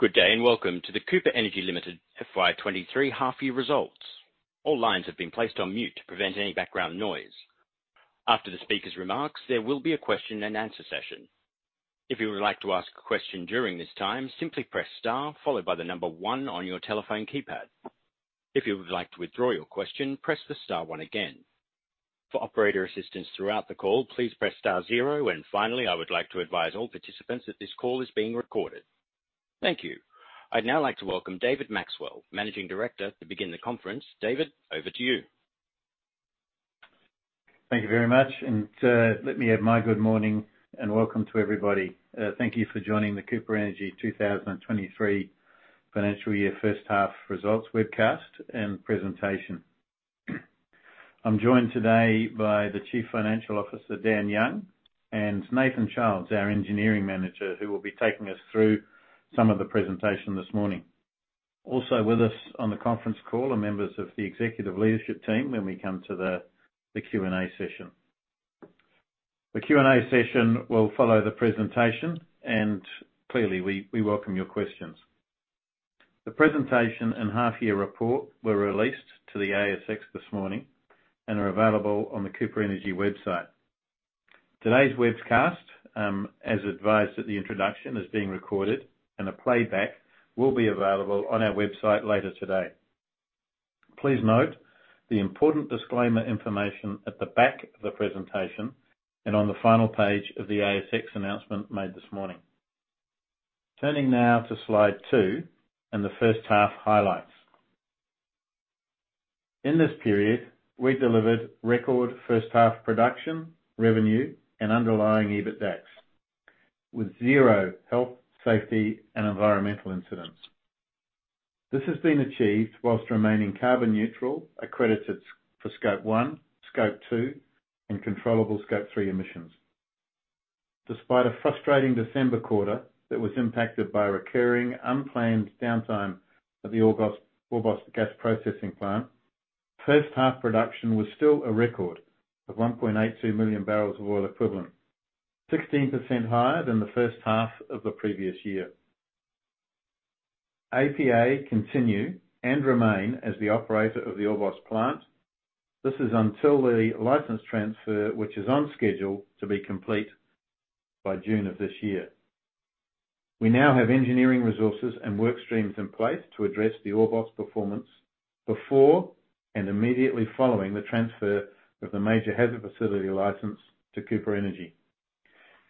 Good day, and welcome to the Cooper Energy Limited FY 2023 half year results. All lines have been placed on mute to prevent any background noise. After the speaker's remarks, there will be a question and answer session. If you would like to ask a question during this time, simply press Star one on your telephone keypad. If you would like to withdraw your question, press the Star one again. For operator assistance throughout the call, please press Star zero. And finally, I would like to advise all participants that this call is being recorded. Thank you. I'd now like to welcome David Maxwell, Managing Director, to begin the conference. David, over to you. Thank you very much. Let me add my good morning and welcome to everybody. Thank you for joining the Cooper Energy 2023 financial year first half results webcast and presentation. I'm joined today by the Chief Financial Officer, Dan Young, and Nathan Childs, our Engineering Manager, who will be taking us through some of the presentation this morning. Also with us on the conference call are members of the executive leadership team when we come to the Q&A session. The Q&A session will follow the presentation, and clearly, we welcome your questions. The presentation and half year report were released to the ASX this morning and are available on the Cooper Energy website. Today's webcast, as advised at the introduction, is being recorded, and a playback will be available on our website later today. Please note the important disclaimer information at the back of the presentation and on the final page of the ASX announcement made this morning. Turning now to slide two and the first half highlights. In this period, we delivered record first half production, revenue, and underlying EBITDAX, with zero health, safety, and environmental incidents. This has been achieved whilst remaining carbon neutral, accredited for Scope 1, Scope 2, and controllable Scope 3 emissions. Despite a frustrating December quarter that was impacted by recurring unplanned downtime at the Orbost Gas Processing Plant, first half production was still a record of 1.82 million barrels of oil equivalent. 16% higher than the first half of the previous year. APA continue and remain as the operator of the Orbost plant. This is until the license transfer, which is on schedule to be complete by June of this year. We now have engineering resources and work streams in place to address the Orbost performance before and immediately following the transfer of the Major Hazard Facility license to Cooper Energy.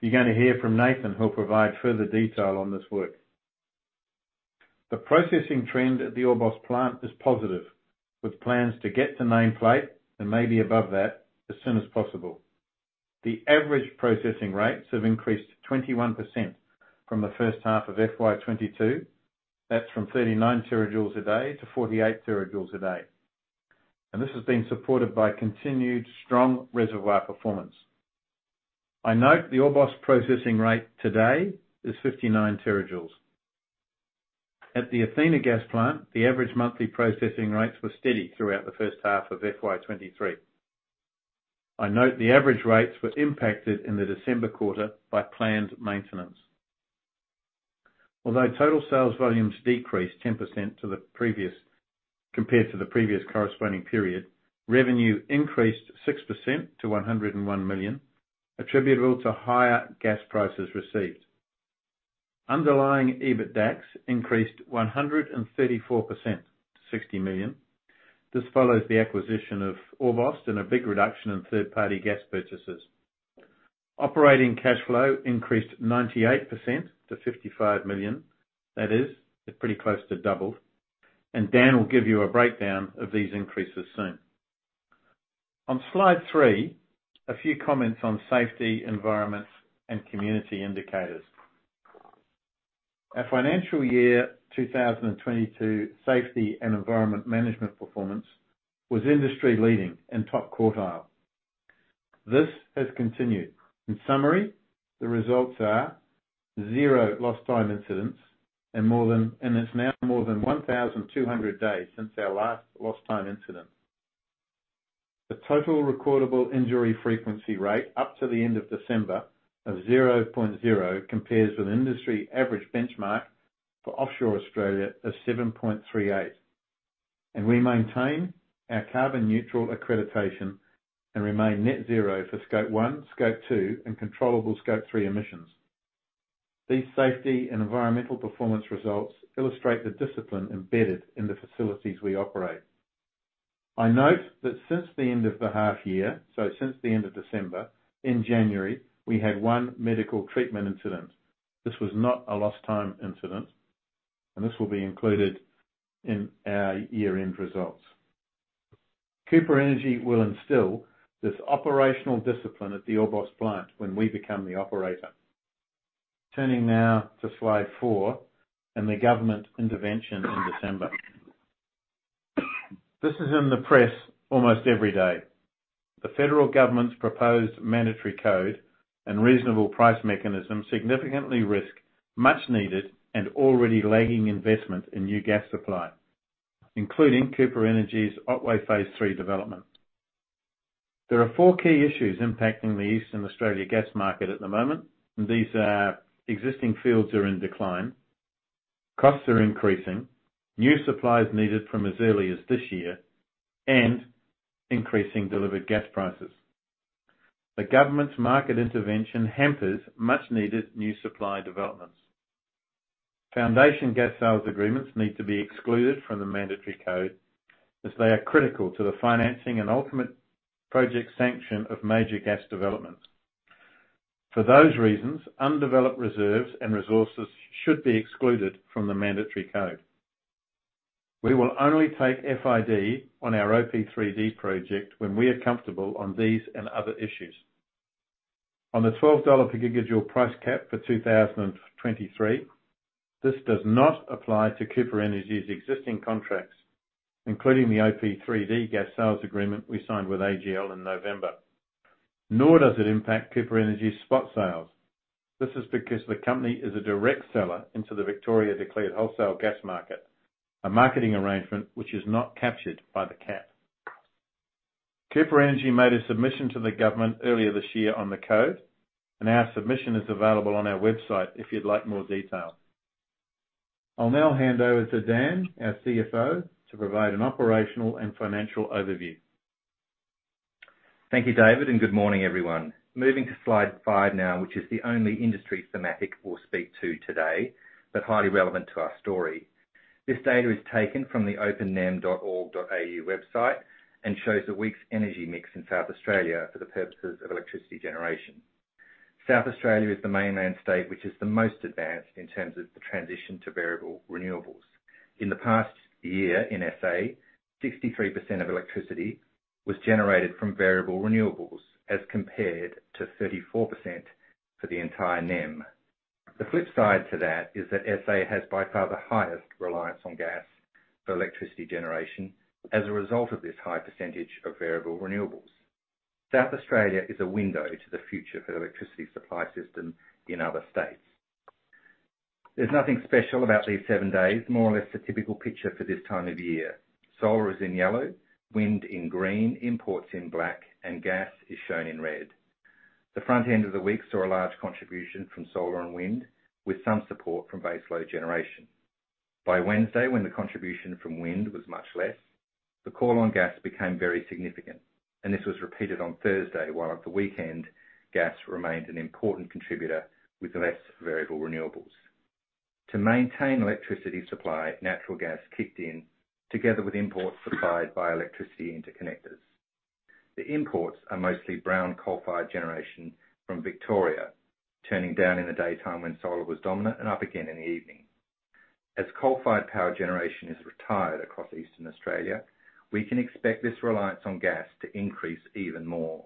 You're gonna hear from Nathan, who'll provide further detail on this work. The processing trend at the Orbost plant is positive, with plans to get to nameplate and maybe above that as soon as possible. The average processing rates have increased 21% from the first half of FY 2022. That's from 39 terajoules a day to 48 terajoules a day. This has been supported by continued strong reservoir performance. I note the Orbost processing rate today is 59 terajoules. At the Athena gas plant, the average monthly processing rates were steady throughout the first half of FY 2023. I note the average rates were impacted in the December quarter by planned maintenance. Although total sales volumes decreased 10% compared to the previous corresponding period, revenue increased 6% to 101 million, attributable to higher gas prices received. Underlying EBITDAX increased 134% to 60 million. This follows the acquisition of Orbost and a big reduction in third-party gas purchases. Operating cash flow increased 98% to 55 million. That is, they're pretty close to double. Dan will give you a breakdown of these increases soon. On slide three, a few comments on safety, environment, and community indicators. Our financial year 2022 safety and environment management performance was industry-leading and top quartile. This has continued. In summary, the results are zero lost time incidents and it's now more than 1,200 days since our last lost time incident. The total recordable injury frequency rate up to the end of December of 0.0 compares with industry average benchmark for offshore Australia of 7.38. We maintain our carbon-neutral accreditation and remain net zero for Scope 1, Scope 2, and controllable Scope 3 emissions. These safety and environmental performance results illustrate the discipline embedded in the facilities we operate. I note that since the end of the half year, so since the end of December, in January, we had one medical treatment incident. This was not a lost time incident, and this will be included in our year-end results. Cooper Energy will instill this operational discipline at the Orbost plant when we become the operator. Turning now to slide four and the government intervention in December. This is in the press almost every day. The federal government's proposed mandatory code and reasonable price mechanism significantly risk much needed and already lagging investment in new gas supply, including Cooper Energy's Otway Phase 3 development. There are four key issues impacting the Eastern Australia gas market at the moment, and these are: existing fields are in decline, costs are increasing, new supplies needed from as early as this year, and increasing delivered gas prices. The government's market intervention hampers much-needed new supply developments. Foundation gas sales agreements need to be excluded from the mandatory code, as they are critical to the financing and ultimate project sanction of major gas developments. For those reasons, undeveloped reserves and resources should be excluded from the mandatory code. We will only take FID on our OP3D project when we are comfortable on these and other issues. On the 12 dollar per gigajoule price cap for 2023, this does not apply to Cooper Energy's existing contracts, including the OP3D gas sales agreement we signed with AGL in November, nor does it impact Cooper Energy's spot sales. This is because the company is a direct seller into the Victorian Declared Wholesale Gas Market, a marketing arrangement which is not captured by the cap. Cooper Energy made a submission to the government earlier this year on the code. Our submission is available on our website if you'd like more detail. I'll now hand over to Dan, our CFO, to provide an operational and financial overview. Thank you, David, and good morning, everyone. Moving to slide five now, which is the only industry thematic we'll speak to today, but highly relevant to our story. This data is taken from the opennem.org.au website and shows the week's energy mix in South Australia for the purposes of electricity generation. South Australia is the mainland state which is the most advanced in terms of the transition to variable renewables. In the past year in SA, 63% of electricity was generated from variable renewables, as compared to 34% for the entire NEM. The flip side to that is that SA has by far the highest reliance on gas for electricity generation as a result of this high percentage of variable renewables. South Australia is a window to the future for the electricity supply system in other states. There's nothing special about these seven days, more or less the typical picture for this time of year. Solar is in yellow, wind in green, imports in black, and gas is shown in red. The front end of the week saw a large contribution from solar and wind, with some support from baseload generation. By Wednesday, when the contribution from wind was much less, the call on gas became very significant, and this was repeated on Thursday, while on the weekend, gas remained an important contributor with less variable renewables. To maintain electricity supply, natural gas kicked in, together with imports supplied by electricity interconnectors. The imports are mostly brown coal-fired generation from Victoria, turning down in the daytime when solar was dominant and up again in the evening. As coal-fired power generation is retired across Eastern Australia, we can expect this reliance on gas to increase even more.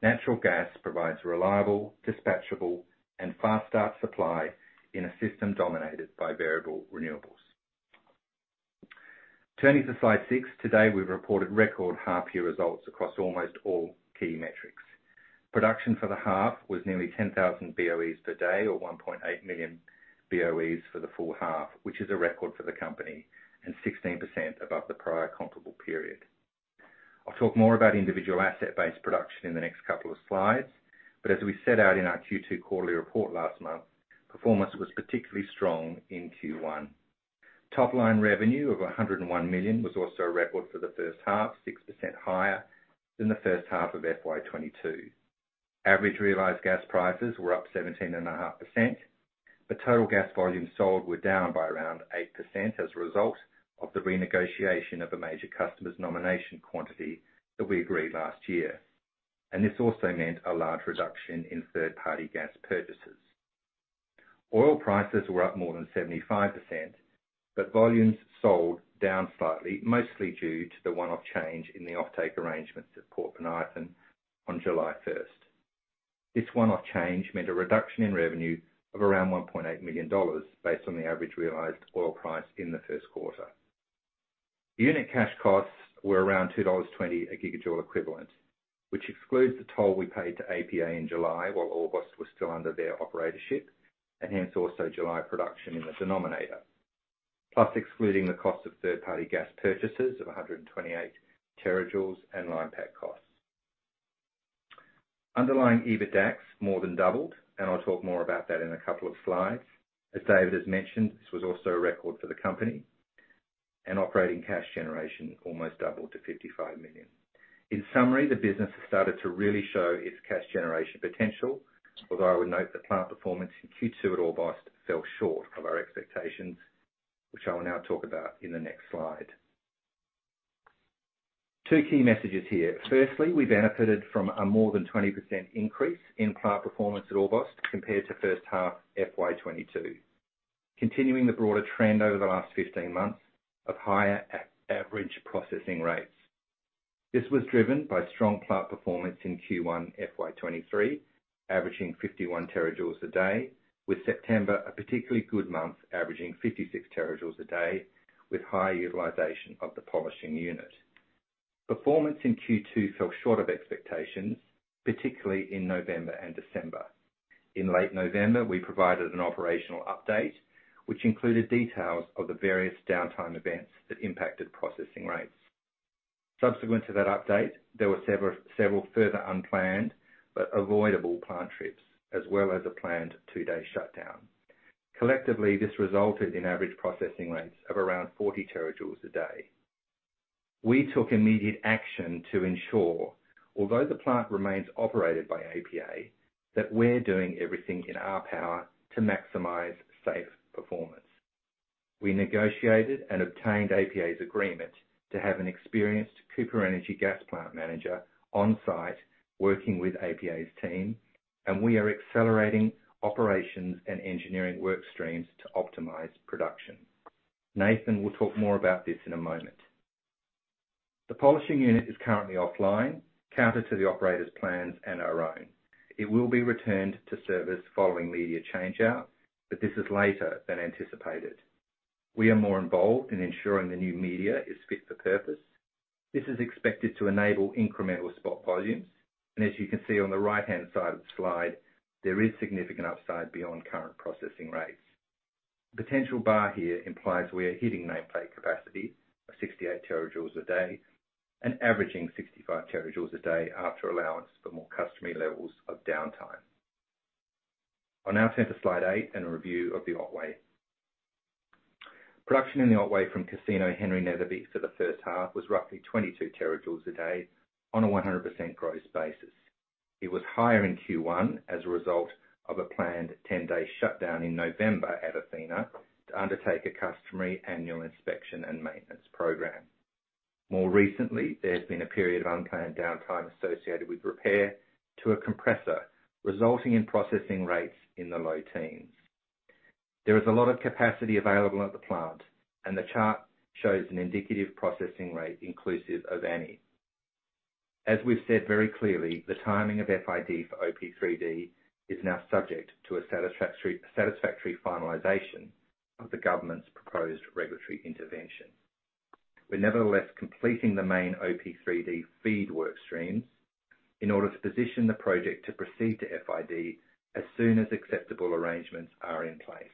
Natural gas provides reliable, dispatchable, and fast start supply in a system dominated by variable renewables. Turning to slide six, today, we reported record half-year results across almost all key metrics. Production for the half was nearly 10,000 BOEs per day, or 1.8 million BOEs for the full half, which is a record for the company and 16% above the prior comparable period. I'll talk more about individual asset-based production in the next couple of slides, but as we set out in our Q2 quarterly report last month, performance was particularly strong in Q1. Top-line revenue of 101 million was also a record for the first half, 6% higher than the first half of FY 2022. Average realized gas prices were up 17.5%, but total gas volumes sold were down by around 8% as a result of the renegotiation of a major customer's nomination quantity that we agreed last year. This also meant a large reduction in third-party gas purchases. Oil prices were up more than 75%, but volumes sold down slightly, mostly due to the one-off change in the offtake arrangements at Port Bonython on July 1st. This one-off change meant a reduction in revenue of around 1.8 million dollars based on the average realized oil price in the 1st quarter. Unit cash costs were around 2.20 dollars a gigajoule equivalent, which excludes the toll we paid to APA in July, while Orbost was still under their operatorship, and hence also July production in the denominator. Excluding the cost of third-party gas purchases of 128 terajoules and line pack costs. Underlying EBITDA more than doubled. I'll talk more about that in a couple of slides. As David has mentioned, this was also a record for the company. Operating cash generation almost doubled to 55 million. In summary, the business has started to really show its cash generation potential, although I would note the plant performance in Q2 at Orbost fell short of our expectations, which I will now talk about in the next slide. Two key messages here. Firstly, we benefited from a more than 20% increase in plant performance at Orbost compared to first half FY 2022, continuing the broader trend over the last 15 months of higher average processing rates. This was driven by strong plant performance in Q1 FY 2023, averaging 51 terajoules a day, with September a particularly good month, averaging 56 terajoules a day with high utilization of the polishing unit. Performance in Q2 fell short of expectations, particularly in November and December. In late November, we provided an operational update, which included details of the various downtime events that impacted processing rates. Subsequent to that update, there were several further unplanned but avoidable plant trips, as well as a planned two-day shutdown. Collectively, this resulted in average processing rates of around 40 terajoules a day. We took immediate action to ensure, although the plant remains operated by APA, that we're doing everything in our power to maximize safe performance. We negotiated and obtained APA's agreement to have an experienced Cooper Energy gas plant manager on-site working with APA's team. We are accelerating operations and engineering work streams to optimize production. Nathan will talk more about this in a moment. The polishing unit is currently offline, counter to the operator's plans and our own. It will be returned to service following media change out. This is later than anticipated. We are more involved in ensuring the new media is fit for purpose. This is expected to enable incremental spot volumes, and as you can see on the right-hand side of the slide, there is significant upside beyond current processing rates. Potential bar here implies we are hitting nameplate capacity of 68 terajoules a day and averaging 65 terajoules a day after allowance for more customary levels of downtime. I'll now turn to slide eight and a review of the Otway. Production in the Otway from Casino Henry net upbeat for the first half was roughly 22 terajoules a day on a 100% gross basis. It was higher in Q1 as a result of a planned 10-day shutdown in November at Athena to undertake a customary annual inspection and maintenance program. More recently, there's been a period of unplanned downtime associated with repair to a compressor, resulting in processing rates in the low teens. There is a lot of capacity available at the plant, and the chart shows an indicative processing rate inclusive of Annie. As we've said very clearly, the timing of FID for OP3D is now subject to a satisfactory finalization of the government's proposed regulatory intervention. We're nevertheless completing the main OP3D FEED work streams in order to position the project to proceed to FID as soon as acceptable arrangements are in place.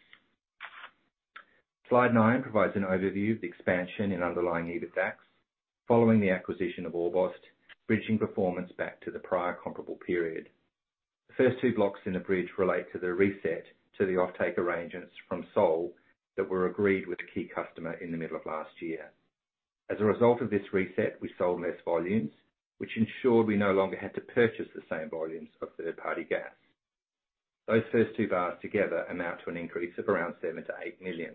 Slide nine provides an overview of the expansion in underlying EBITDAX following the acquisition of Orbost, bridging performance back to the prior comparable period. The first two blocks in the bridge relate to the reset to the offtake arrangements from Sole that were agreed with a key customer in the middle of last year. As a result of this reset, we sold less volumes, which ensured we no longer had to purchase the same volumes of third-party gas. Those first two bars together amount to an increase of around 7 million-8 million.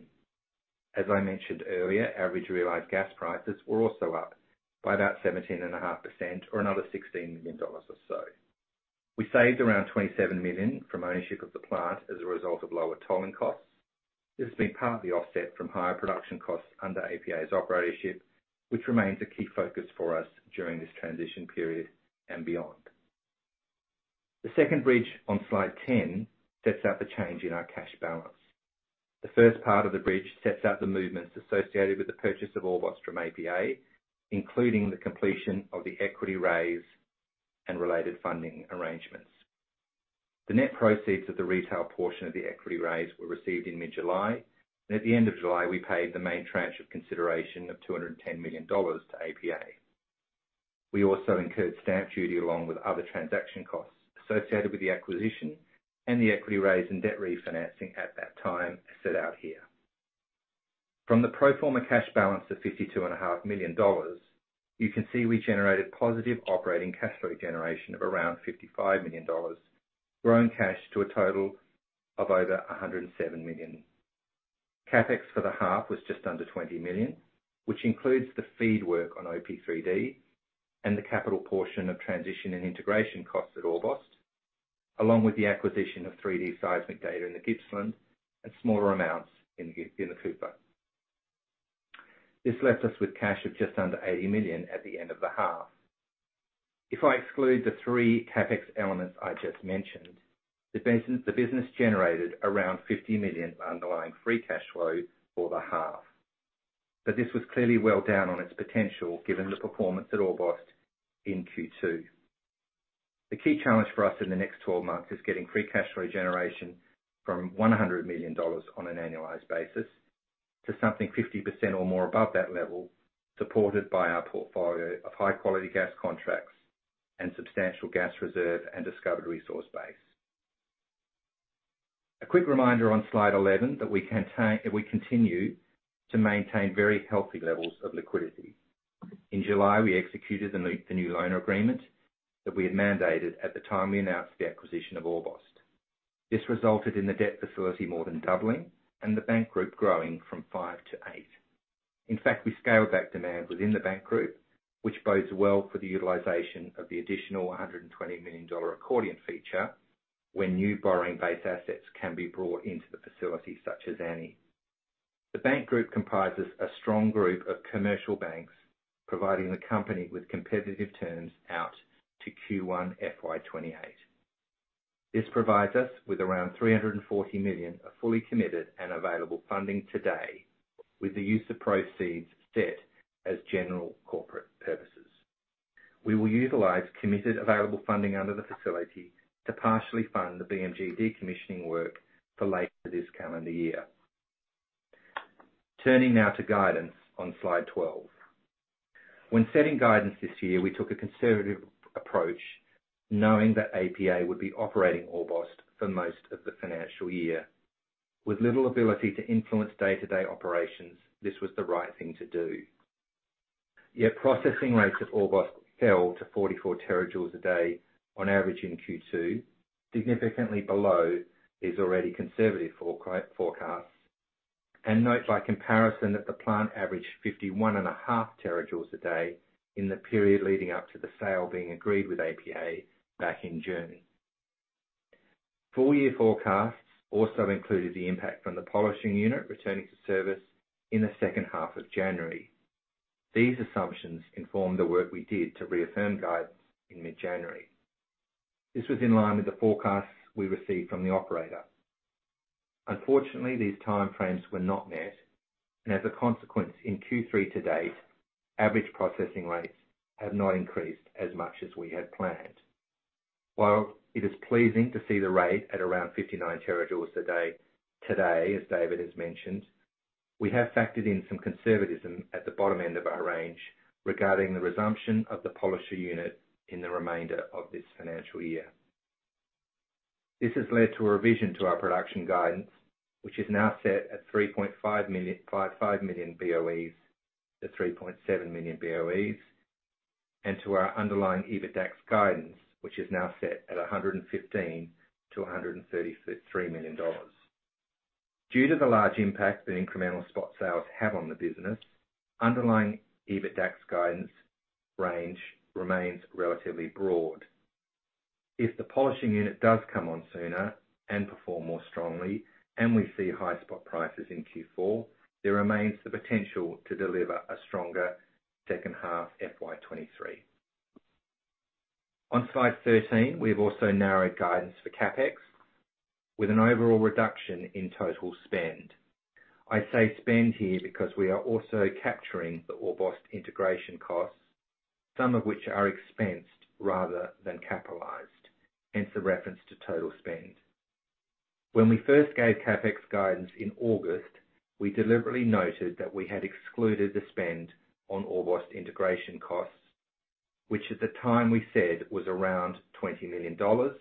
As I mentioned earlier, average realized gas prices were also up by about 17.5% or another 16 million dollars or so. We saved around 27 million from ownership of the plant as a result of lower tolling costs. This has been partly offset from higher production costs under APA's operatorship, which remains a key focus for us during this transition period and beyond. The second bridge on slide 10 sets out the change in our cash balance. The first part of the bridge sets out the movements associated with the purchase of Orbost from APA, including the completion of the equity raise and related funding arrangements. The net proceeds of the retail portion of the equity raise were received in mid-July. At the end of July, we paid the main tranche of consideration of 210 million dollars to APA. We also incurred stamp duty along with other transaction costs associated with the acquisition and the equity raise and debt refinancing at that time, as set out here. From the pro forma cash balance of fifty-two and a half million dollars, you can see we generated positive operating cash flow generation of around 55 million dollars, growing cash to a total of over 107 million. CapEx for the half was just under 20 million, which includes the FEED work on OP3D and the capital portion of transition and integration costs at Orbost, along with the acquisition of 3D seismic data in the Gippsland and smaller amounts in the Cooper. This left us with cash of just under 80 million at the end of the half. If I exclude the three CapEx elements I just mentioned, the business generated around 50 million underlying free cash flow for the half. This was clearly well down on its potential, given the performance at Orbost in Q2. The key challenge for us in the next 12 months is getting free cash flow generation from 100 million dollars on an annualized basis to something 50% or more above that level, supported by our portfolio of high-quality gas contracts and substantial gas reserve and discovered resource base. A quick reminder on slide 11 that we continue to maintain very healthy levels of liquidity. In July, we executed the new loan agreement that we had mandated at the time we announced the acquisition of Orbost. This resulted in the debt facility more than doubling and the bank group growing from five to eight. In fact, we scaled back demand within the bank group, which bodes well for the utilization of the additional 120 million dollar accordion feature when new borrowing-based assets can be brought into the facility, such as Annie. The bank group comprises a strong group of commercial banks, providing the company with competitive terms out to Q1 FY 2028. This provides us with around 340 million of fully committed and available funding today, with the use of proceeds set as general corporate purposes. We will utilize committed available funding under the facility to partially fund the BMG decommissioning work for later this calendar year. Turning now to guidance on slide 12. When setting guidance this year, we took a conservative approach, knowing that APA would be operating Orbost for most of the financial year. With little ability to influence day-to-day operations, this was the right thing to do. Processing rates at Orbost fell to 44 terajoules a day on average in Q2, significantly below its already conservative forecast. Note by comparison, that the plant averaged 51.5 terajoules a day in the period leading up to the sale being agreed with APA back in June. Full year forecasts also included the impact from the polishing unit returning to service in the second half of January. These assumptions informed the work we did to reaffirm guidance in mid-January. This was in line with the forecasts we received from the operator. Unfortunately, these time frames were not met, and as a consequence, in Q3 to date, average processing rates have not increased as much as we had planned. While it is pleasing to see the rate at around 59 terajoules a day today, as David has mentioned, we have factored in some conservatism at the bottom end of our range regarding the resumption of the polishing unit in the remainder of this financial year. This has led to a revision to our production guidance, which is now set at 3.5 million BOEs to 3.7 million BOEs, and to our underlying EBITDAX guidance, which is now set at 115 million to 133 million dollars. Due to the large impact that incremental spot sales have on the business, underlying EBITDAX guidance range remains relatively broad. If the polishing unit does come on sooner and perform more strongly and we see high spot prices in Q4, there remains the potential to deliver a stronger second-half FY 2023. On slide 13, we have also narrowed guidance for CapEx with an overall reduction in total spend. I say spend here because we are also capturing the Orbost integration costs, some of which are expensed rather than capitalized, hence the reference to total spend. When we first gave CapEx guidance in August, we deliberately noted that we had excluded the spend on Orbost integration costs, which at the time we said was around 20 million dollars,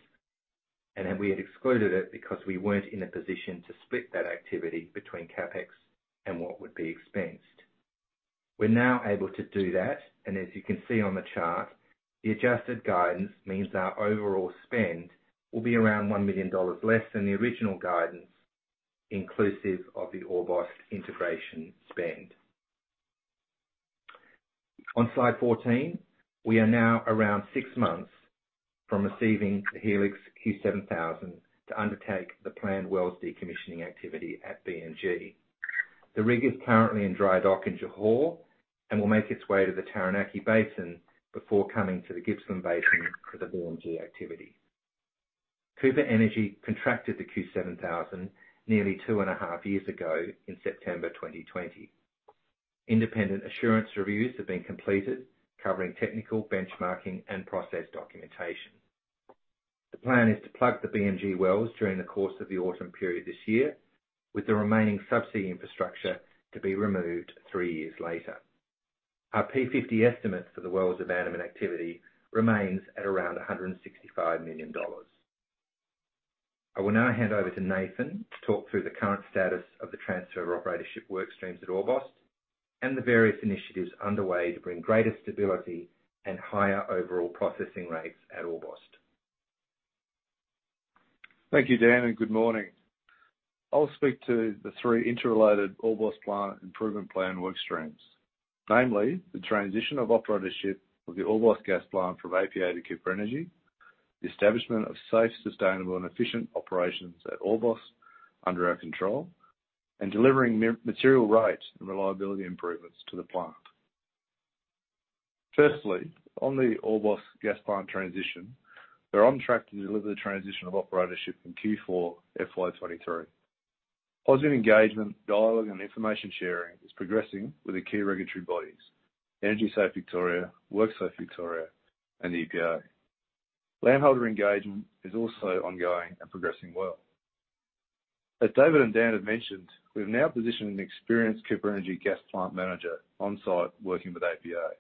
and we had excluded it because we weren't in a position to split that activity between CapEx and what would be expensed. We're now able to do that, and as you can see on the chart, the adjusted guidance means our overall spend will be around 1 million dollars less than the original guidance, inclusive of the Orbost integration spend. On slide 14, we are now around six months from receiving the Helix Q7000 to undertake the planned wells decommissioning activity at BMG. The rig is currently in dry dock in Johor and will make its way to the Taranaki Basin before coming to the Gippsland Basin for the BMG activity. Cooper Energy contracted the Q7000 nearly two and a half years ago in September 2020. Independent assurance reviews have been completed, covering technical benchmarking and process documentation. The plan is to plug the BMG wells during the course of the autumn period this year, with the remaining subsea infrastructure to be removed three years later. Our P50 estimate for the wells abandonment activity remains at around 165 million dollars. I will now hand over to Nathan to talk through the current status of the transfer of operatorship work streams at Orbost and the various initiatives underway to bring greater stability and higher overall processing rates at Orbost. Thank you, Dan. Good morning. I'll speak to the 3 interrelated Orbost plant improvement plan work streams. Namely, the transition of operatorship of the Orbost gas plant from APA to Cooper Energy, the establishment of safe, sustainable and efficient operations at Orbost under our control, and delivering material rate and reliability improvements to the plant. Firstly, on the Orbost gas plant transition, we're on track to deliver the transition of operatorship in Q4 FY 2023. Positive engagement, dialogue, and information sharing is progressing with the key regulatory bodies, Energy Safe Victoria, WorkSafe Victoria, and the EPA. Landholder engagement is also ongoing and progressing well. As David and Dan have mentioned, we've now positioned an experienced Cooper Energy gas plant manager on-site working with APA.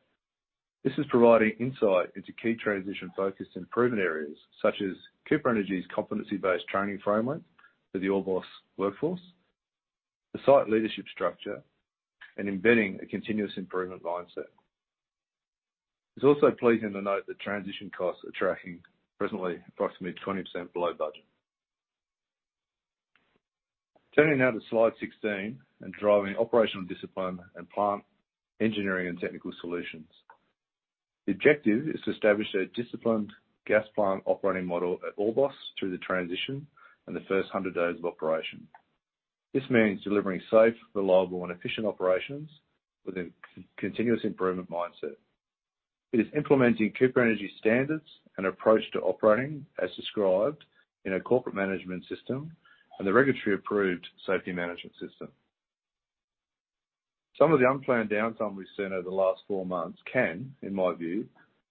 This is providing insight into key transition-focused improvement areas such as Cooper Energy's competency-based training framework for the Orbost workforce, the site leadership structure, and embedding a continuous improvement mindset. It's also pleasing to note that transition costs are tracking presently approximately 20% below budget. Turning now to slide 16 and driving operational discipline and plant engineering and technical solutions. The objective is to establish a disciplined gas plant operating model at Orbost through the transition and the first 100 days of operation. This means delivering safe, reliable, and efficient operations with a continuous improvement mindset. It is implementing Cooper Energy's standards and approach to operating as described in our corporate management system and the regulatory-approved safety management system. Some of the unplanned downtime we've seen over the last four months can, in my view,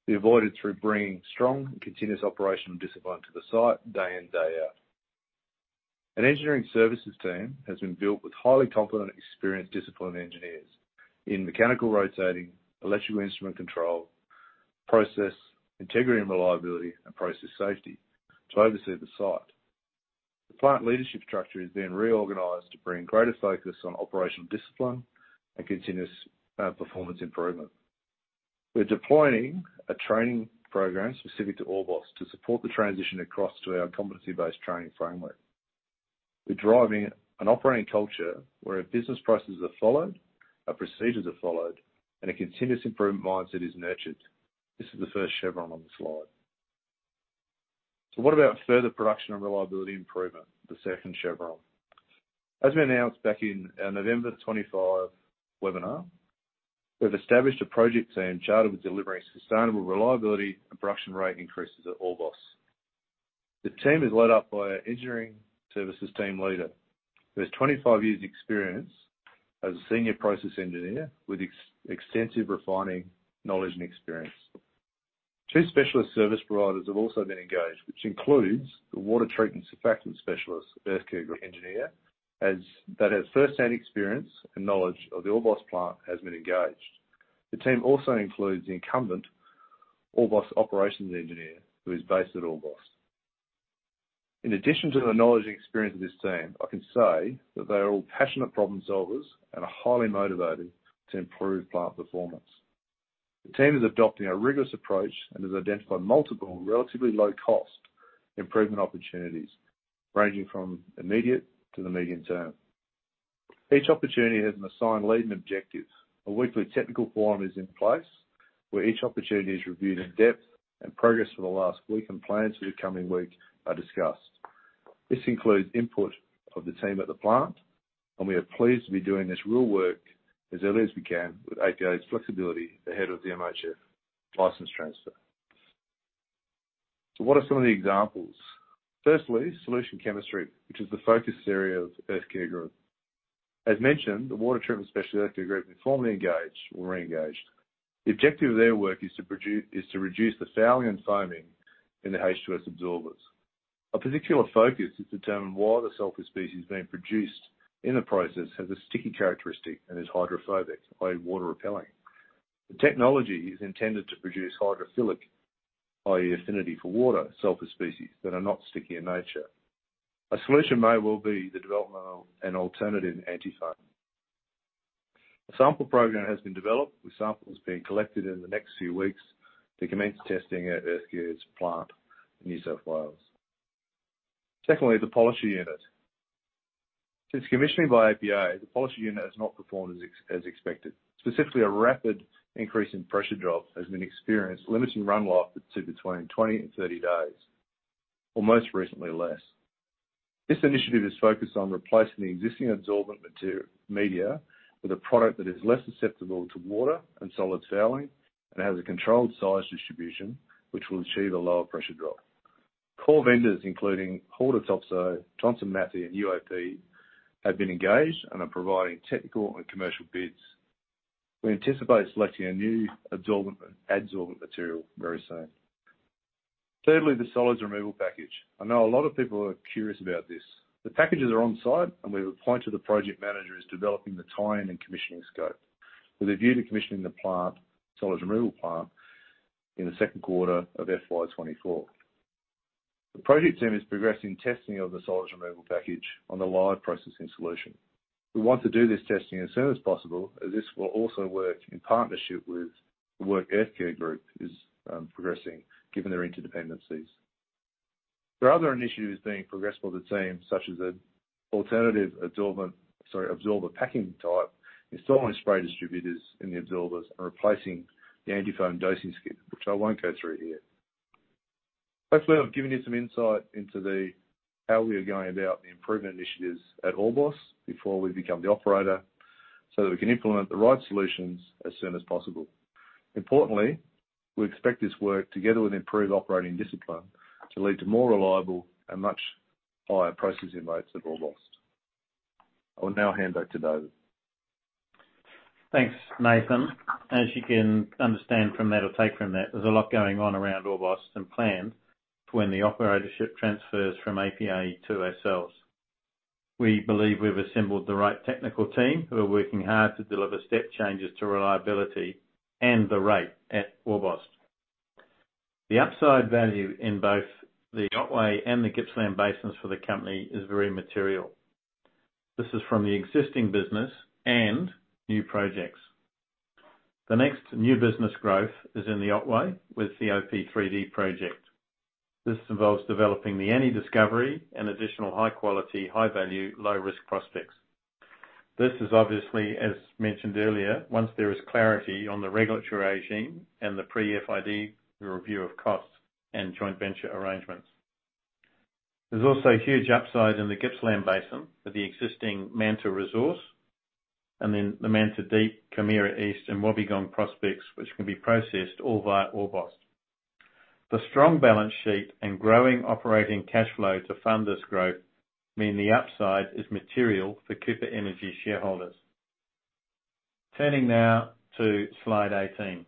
be avoided through bringing strong, continuous operational discipline to the site day in, day out. An engineering services team has been built with highly competent, experienced, disciplined engineers in mechanical rotating, electrical instrument control, process integrity and reliability, and process safety to oversee the site. The plant leadership structure is being reorganized to bring greater focus on operational discipline and continuous performance improvement. We're deploying a training program specific to Orbost to support the transition across to our competency-based training framework. We're driving an operating culture where our business processes are followed, our procedures are followed, and a continuous improvement mindset is nurtured. This is the first chevron on the slide. What about further production and reliability improvement? The second chevron. As we announced back in our November 25 webinar, we've established a project team chartered with delivering sustainable reliability and production rate increases at Orbost. The team is led up by an engineering services team leader with 25 years experience as a senior process engineer, with extensive refining knowledge and experience. Two specialist service providers have also been engaged, which includes the water treatment surfactant specialist, Earthcare Group engineer, that has firsthand experience and knowledge of the Orbost plant has been engaged. The team also includes the incumbent Orbost operations engineer, who is based at Orbost. In addition to the knowledge and experience of this team, I can say that they are all passionate problem-solvers and are highly motivated to improve plant performance. The team is adopting a rigorous approach and has identified multiple relatively low-cost improvement opportunities, ranging from immediate to the medium-term. Each opportunity has an assigned lead and objective. A weekly technical forum is in place, where each opportunity is reviewed in depth and progress for the last week and plans for the coming week are discussed. This includes input of the team at the plant, we are pleased to be doing this real work as early as we can with APA's flexibility ahead of the MHF license transfer. What are some of the examples? Firstly, solution chemistry, which is the focus area of Earthcare Group. As mentioned, the water treatment specialist, Earthcare Group, is formally engaged or re-engaged. The objective of their work is to reduce the fouling and foaming in the H2S absorbers. A particular focus is determining why the sulfur species being produced in the process has a sticky characteristic and is hydrophobic, i.e., water-repelling. The technology is intended to produce hydrophilic, i.e., affinity for water, sulfur species that are not sticky in nature. A solution may well be the development of an alternative antifoam. A sample program has been developed, with samples being collected in the next few weeks to commence testing at Earthcare's plant in New South Wales. Secondly, the polishing unit. Since commissioning by API, the polishing unit has not performed as expected. Specifically, a rapid increase in pressure drop has been experienced, limiting run life to between 20 and 30 days, or most recently, less. This initiative is focused on replacing the existing absorbent media with a product that is less susceptible to water and solid fouling and has a controlled size distribution, which will achieve a lower pressure drop. Core vendors, including Haldor Topsoe, Johnson Matthey, and UOP, have been engaged and are providing technical and commercial bids. We anticipate selecting a new absorbent material very soon. Thirdly, the solids removal package. I know a lot of people are curious about this. The packages are on-site, and we've appointed the project manager who's developing the tie-in and commissioning scope, with a view to commissioning the plant, solids removal plant, in the second quarter of FY 2024. The project team is progressing testing of the solids removal package on the live processing solution. We want to do this testing as soon as possible, as this will also work in partnership with the work Earthcare Group is progressing given their interdependencies. There are other initiatives being progressed by the team, such as an alternative absorbent, sorry, absorber packing type, installing spray distributors in the absorbers, and replacing the antifoam dosing skid, which I won't go through here. Hopefully, I've given you some insight into the, how we are going about the improvement initiatives at Orbost before we become the operator, so that we can implement the right solutions as soon as possible. Importantly, we expect this work, together with improved operating discipline, to lead to more reliable and much higher processing rates at Orbost. I will now hand back to David. Thanks, Nathan. As you can understand from that, or take from that, there's a lot going on around Orbost and planned for when the operatorship transfers from APA to ourselves. We believe we've assembled the right technical team who are working hard to deliver step changes to reliability and the rate at Orbost. The upside value in both the Otway and the Gippsland basins for the company is very material. This is from the existing business and new projects. The next new business growth is in the Otway with the OP3D project. This involves developing the Eni discovery and additional high-quality, high-value, low-risk prospects. This is obviously, as mentioned earlier, once there is clarity on the regulatory regime and the pre-FID, the review of costs and joint venture arrangements. There's also huge upside in the Gippsland Basin for the existing Manta resource, and then the Manta Deep, Camira East, and Wobbegong prospects, which can be processed all via Orbost. The strong balance sheet and growing operating cash flow to fund this growth mean the upside is material for Cooper Energy shareholders. Turning now to slide 18.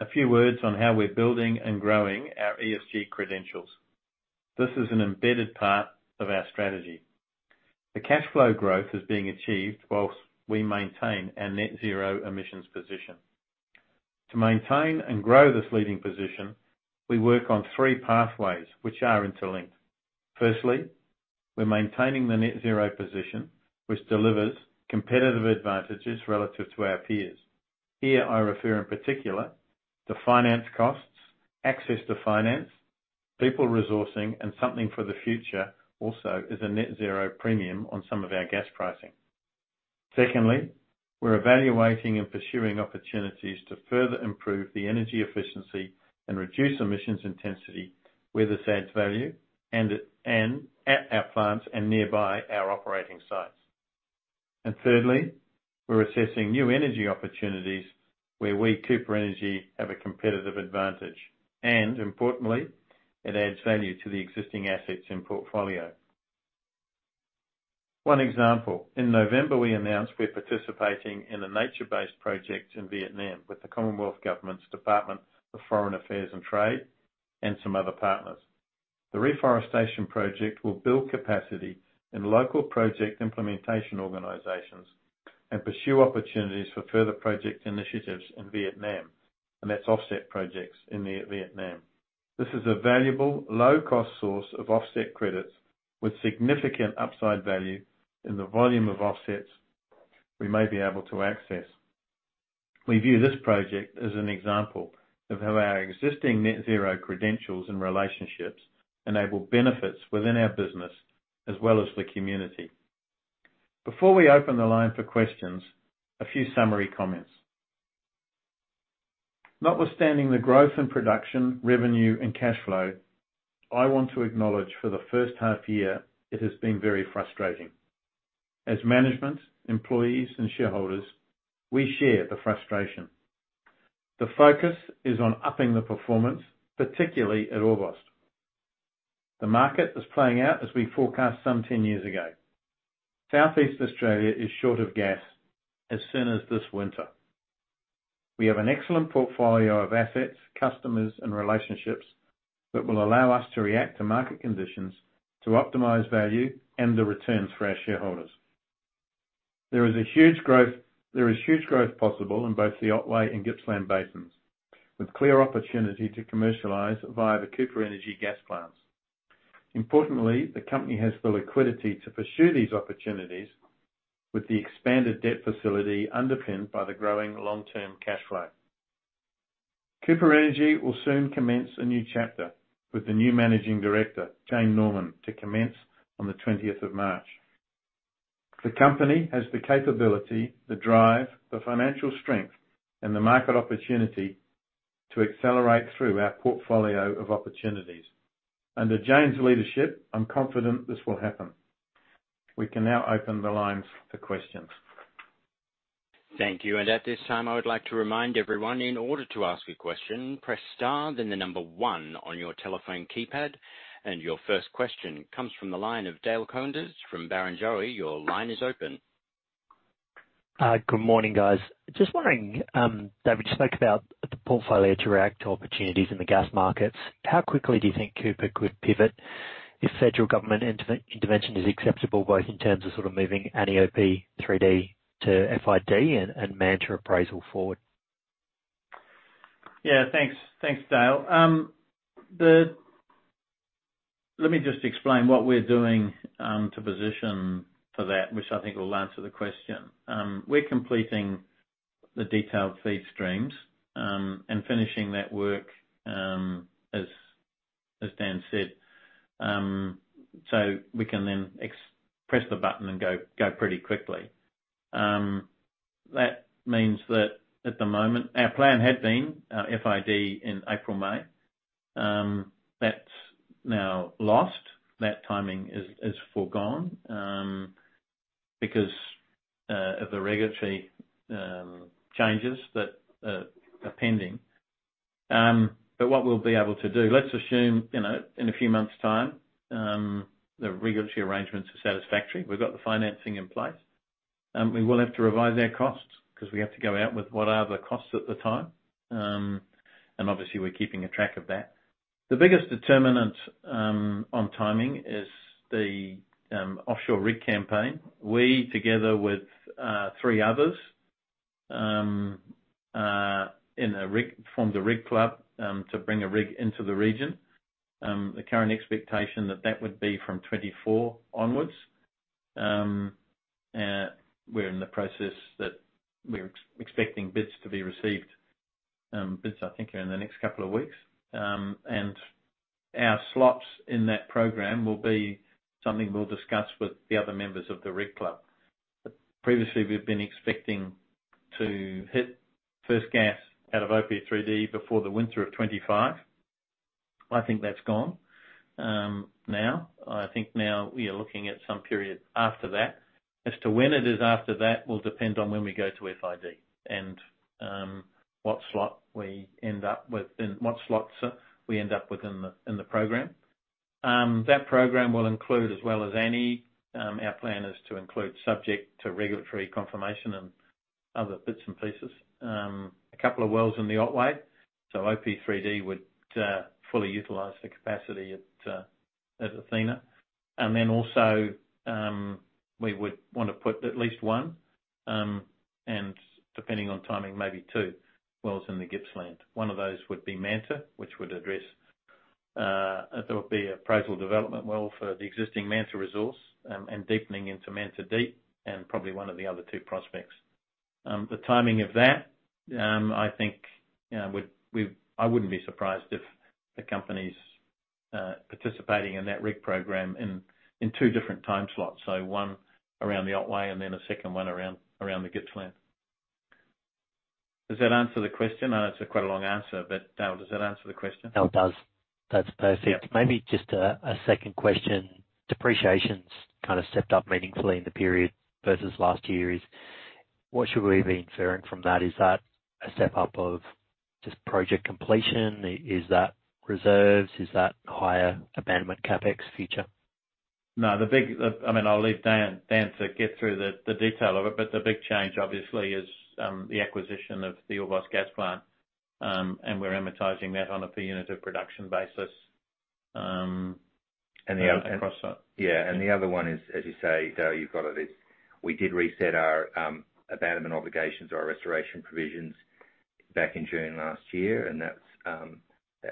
A few words on how we're building and growing our ESG credentials. This is an embedded part of our strategy. The cash flow growth is being achieved whilst we maintain our net zero emissions position. To maintain and grow this leading position, we work on three pathways which are interlinked. Firstly, we're maintaining the net zero position, which delivers competitive advantages relative to our peers. Here, I refer in particular to finance costs, access to finance, people resourcing, and something for the future also is a net zero premium on some of our gas pricing. Secondly, we're evaluating and pursuing opportunities to further improve the energy efficiency and reduce emissions intensity where this adds value and at our plants and nearby our operating sites. Thirdly, we're assessing new energy opportunities where we, Cooper Energy, have a competitive advantage. Importantly, it adds value to the existing assets and portfolio. One example, in November, we announced we're participating in a nature-based project in Vietnam with the Commonwealth Government's Department of Foreign Affairs and Trade and some other partners. The reforestation project will build capacity in local project implementation organizations and pursue opportunities for further project initiatives in Vietnam, and that's offset projects in Vietnam. This is a valuable, low-cost source of offset credits with significant upside value in the volume of offsets we may be able to access. We view this project as an example of how our existing net zero credentials and relationships enable benefits within our business as well as the community. Before we open the line for questions, a few summary comments. Notwithstanding the growth in production, revenue, and cash flow, I want to acknowledge for the first half-year it has been very frustrating. As management, employees, and shareholders, we share the frustration. The focus is on upping the performance, particularly at Orbost. The market is playing out as we forecast some 10 years ago. Southeast Australia is short of gas as soon as this winter. We have an excellent portfolio of assets, customers, and relationships that will allow us to react to market conditions to optimize value and the returns for our shareholders. There is huge growth possible in both the Otway and Gippsland Basins, with clear opportunity to commercialize via the Cooper Energy gas plants. Importantly, the company has the liquidity to pursue these opportunities with the expanded debt facility underpinned by the growing long-term cash flow. Cooper Energy will soon commence a new chapter with the new managing director, Jane Norman, to commence on the 20th of March. The company has the capability, the drive, the financial strength, and the market opportunity to accelerate through our portfolio of opportunities. Under Jane's leadership, I'm confident this will happen. We can now open the lines for questions. Thank you. At this time, I would like to remind everyone, in order to ask a question, press star then the number one on your telephone keypad. Your first question comes from the line of Dale Koenderink from Barrenjoey. Your line is open. Good morning, guys. Just wondering, Dave, you spoke about the portfolio to react to opportunities in the gas markets. How quickly do you think Cooper could pivot if federal government intervention is acceptable, both in terms of sort of moving OP3D to FID and Manta appraisal forward? Yeah, thanks. Thanks, Dale. Let me just explain what we're doing to position for that, which I think will answer the question. We're completing the detailed FEED streams and finishing that work as Dan said. We can then press the button and go pretty quickly. That means that at the moment, our plan had been FID in April/May. That's now lost. That timing is foregone because of the regulatory changes that are pending. What we'll be able to do. Let's assume, you know, in a few months' time, the regulatory arrangements are satisfactory. We've got the financing in place. We will have to revise our costs 'cause we have to go out with what are the costs at the time. Obviously, we're keeping a track of that. The biggest determinant on timing is the offshore rig campaign. We, together with three others, in a rig, formed a rig club to bring a rig into the region. The current expectation that that would be from 2024 onwards. We're in the process that we're expecting bids to be received, bids, I think, are in the next couple of weeks. Our slots in that program will be something we'll discuss with the other members of the rig club. Previously, we've been expecting to hit first gas out of OP3D before the winter of 2025. I think that's gone now. I think now we are looking at some period after that. As to when it is after that will depend on when we go to FID and what slot we end up with and what slots we end up with in the program. That program will include as well as Eni, our plan is to include subject to regulatory confirmation and other bits and pieces. A couple of wells in the Otway, so OP3D would fully utilize the capacity at Athena. Then also, we would wanna put at least one, and depending on timing, maybe two wells in the Gippsland. One of those would be Manta, which would address, there would be appraisal development well for the existing Manta resource, and deepening into Manta deep and probably one of the other two prospects. The timing of that, I think, you know, we. I wouldn't be surprised if the company's participating in that rig program in two different time slots. One around the Otway and then a second one around the Gippsland. Does that answer the question? I know it's quite a long answer, but Dale, does that answer the question? No, it does. That's perfect. Yeah. Maybe just a second question. Depreciation's kinda stepped up meaningfully in the period versus last year's. What should we be inferring from that? Is that a step-up of just project completion? Is that reserves? Is that higher abandonment CapEx feature? No, I mean, I'll leave Dan to get through the detail of it, but the big change obviously is the acquisition of the Orbost Gas Plant, and we're amortizing that on a per unit of production basis. The other- Across that. Yeah. The other one is, as you say, Dale, you've got it, is we did reset our abandonment obligations or restoration provisions back in June last year. That's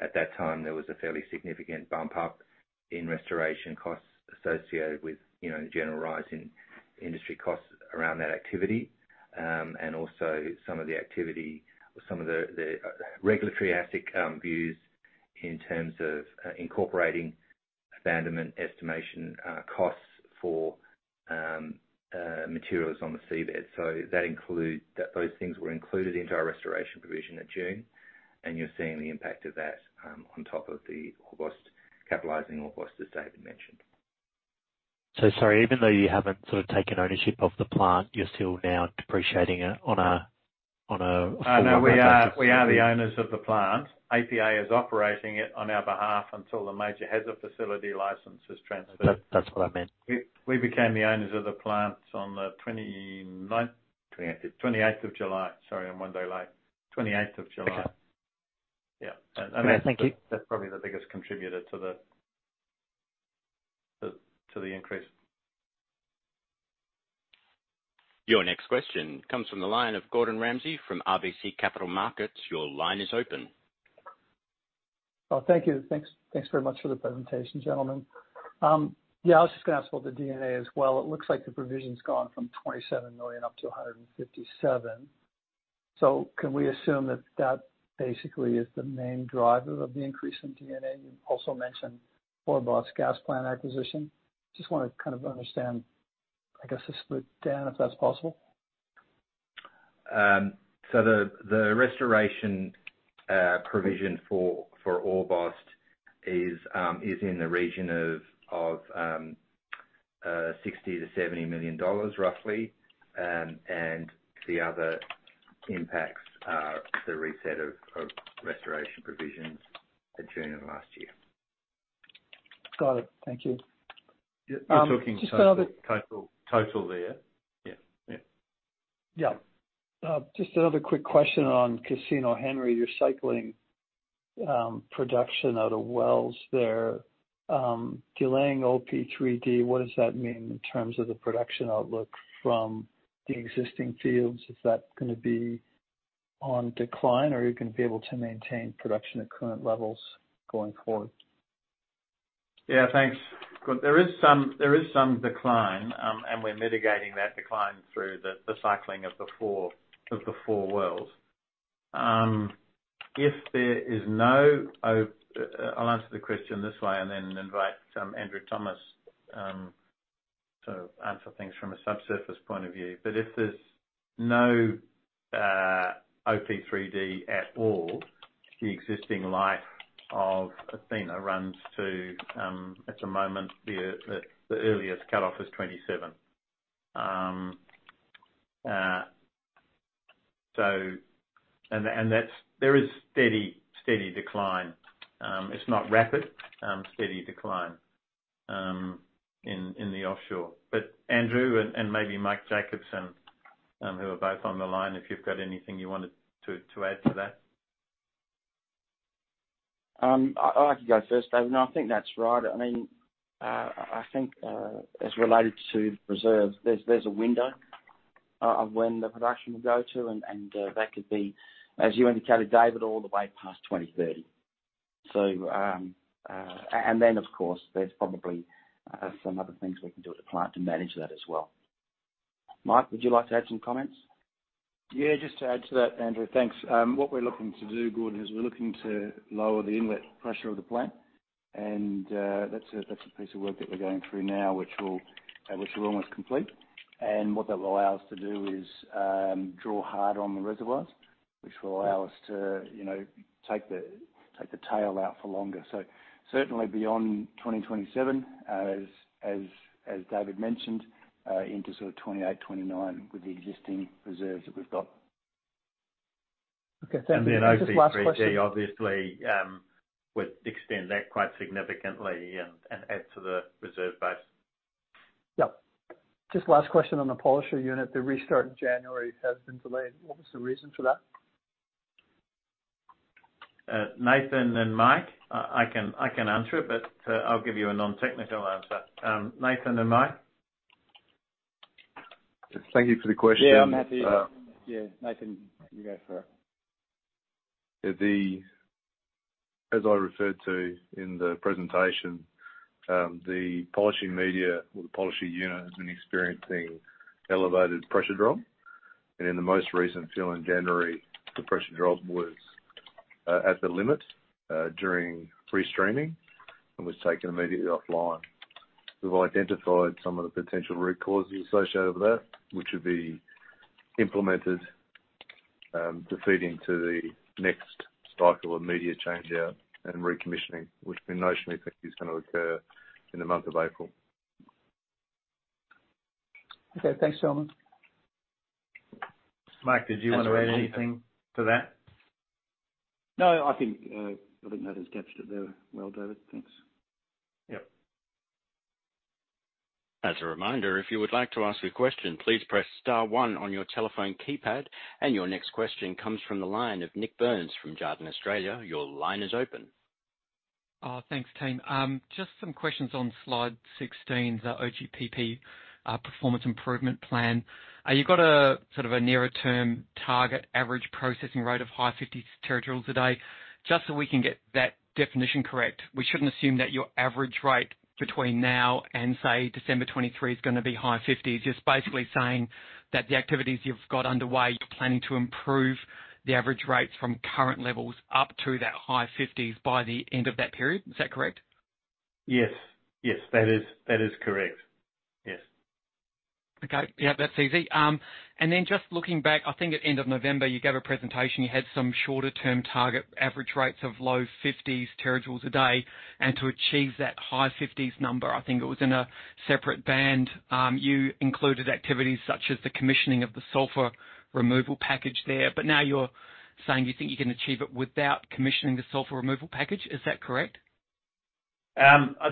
at that time, there was a fairly significant bump up in restoration costs associated with, you know, the general rise in industry costs around that activity. Also some of the activity or some of the regulatory asset views in terms of incorporating abandonment estimation costs for materials on the seabed. Those things were included into our restoration provision at June, and you're seeing the impact of that on top of the Orbost- capitalizing Orbost, as David mentioned. Sorry, even though you haven't sort of taken ownership of the plant, you're still now depreciating it on a... No, we are the owners of the plant. APA is operating it on our behalf until the Major Hazard Facility license is transferred. That's what I meant. We became the owners of the plant on the 28th of July. Sorry, I'm one day late. 28th of July. Okay. Yeah. I mean. Great. Thank you.... that's probably the biggest contributor to the increase. Your next question comes from the line of Gordon Ramsay from RBC Capital Markets. Your line is open. Thank you. Thanks very much for the presentation, gentlemen. Yeah, I was just gonna ask about the D&A as well. It looks like the provision's gone from 27 million up to 157 million. Can we assume that that basically is the main driver of the increase in D&A? You also mentioned Orbost Gas Plant acquisition. Just wanna kind of understand, I guess, the split, Dan, if that's possible. The restoration provision for Orbost is in the region of 60 million-70 million dollars, roughly. The other impacts are the reset of restoration provisions at June of last year. Got it. Thank you. You're talking. Just another- Total there. Yeah. Yeah. Yeah. Just another quick question on Casino Henry. You're cycling production out of wells there, delaying OP3D. What does that mean in terms of the production outlook from the existing fields? Is that gonna be on decline, or are you gonna be able to maintain production at current levels going forward? Yeah, thanks. Good. There is some decline, and we're mitigating that decline through the cycling of the 4 wells. I'll answer the question this way and then invite Andrew Thomas to answer things from a subsurface point of view. If there's no OP3D at all, the existing life of Athena runs to, at the moment, the earliest cutoff is 27. There is steady decline. It's not rapid, steady decline in the offshore. Andrew and maybe Mike Jacobson, who are both on the line, if you've got anything you wanted to add to that. I can go first, David. I think that's right. I mean, I think, as related to reserves, there's a window of when the production will go to, and that could be, as you indicated, David, all the way past 2030. Then, of course, there's probably some other things we can do at the plant to manage that as well. Mike, would you like to add some comments? Yeah, just to add to that, Andrew. Thanks. What we're looking to do, Gordon, is we're looking to lower the inlet pressure of the plant That's a piece of work that we're going through now, which we're almost complete. What that will allow us to do is draw harder on the reservoirs, which will allow us to, you know, take the tail out for longer. Certainly beyond 2027, as David mentioned, into sort of 2028, 2029 with the existing reserves that we've got. Okay. Thank you. OB-30 obviously, would extend that quite significantly and add to the reserve base. Yep. Just last question on the polisher unit. The restart in January has been delayed. What was the reason for that? Nathan and Mike, I can answer it, but I'll give you a non-technical answer. Nathan and Mike? Thank you for the question. Yeah, I'm happy. Yeah, Nathan, you go for it. As I referred to in the presentation, the polishing media or the polishing unit has been experiencing elevated pressure drop. In the most recent fill in January, the pressure drop was at the limit during free streaming and was taken immediately offline. We've identified some of the potential root causes associated with that, which would be implemented, defeating to the next cycle of media change out and recommissioning, which we notionally think is gonna occur in the month of April. Okay. Thanks, gentlemen. Mike, did you want to add anything to that? No, I think, I think Nathan's captured it there well, David. Thanks. Yep. As a reminder, if you would like to ask a question, please press star one on your telephone keypad. Your next question comes from the line of Nik Burns from Jarden Australia. Your line is open. Thanks, team. Just some questions on slide 16, the OGPP, Performance Improvement Plan. You've got a sort of a nearer term target average processing rate of high fifties terajoules a day. Just so we can get that definition correct, we shouldn't assume that your average rate between now and say, December 2023 is gonna be high fifties. You're just basically saying that the activities you've got underway, you're planning to improve the average rates from current levels up to that high fifties by the end of that period. Is that correct? Yes. Yes, that is, that is correct. Yes. Okay. Yeah, that's easy. Just looking back, I think at end of November, you gave a presentation, you had some shorter term target average rates of low 50s terajoules a day. To achieve that high 50s number, I think it was in a separate band, you included activities such as the commissioning of the sulfur removal package there. Now you're saying you think you can achieve it without commissioning the sulfur removal package. Is that correct? I'd